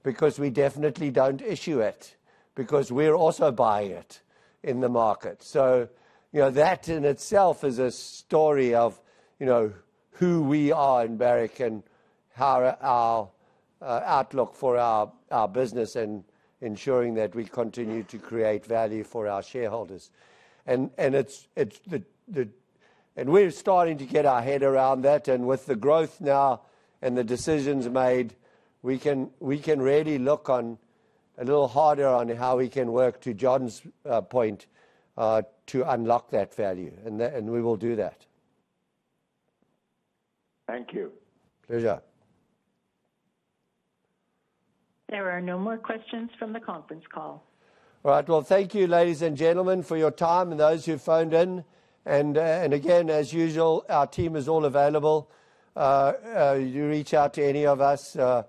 because we definitely don't issue it because we're also buying it in the market. So that in itself is a story of who we are in Barrick and our outlook for our business and ensuring that we continue to create value for our shareholders. And we're starting to get our head around that. And with the growth now and the decisions made, we can really look a little harder on how we can work, to John's point, to unlock that value. And we will do that. Thank you. Pleasure. There are no more questions from the conference call. All right, well, thank you, ladies and gentlemen, for your time and those who phoned in, and again, as usual, our team is all available. You reach out to any of us or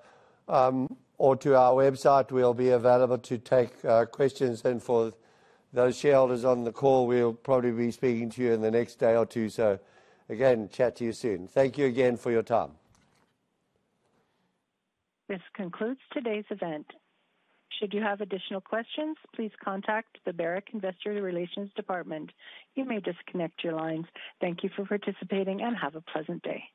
to our website, we'll be available to take questions, and for those shareholders on the call, we'll probably be speaking to you in the next day or two, so again, chat to you soon. Thank you again for your time. This concludes today's event. Should you have additional questions, please contact the Barrick Investor Relations Department. You may disconnect your lines. Thank you for participating and have a pleasant day.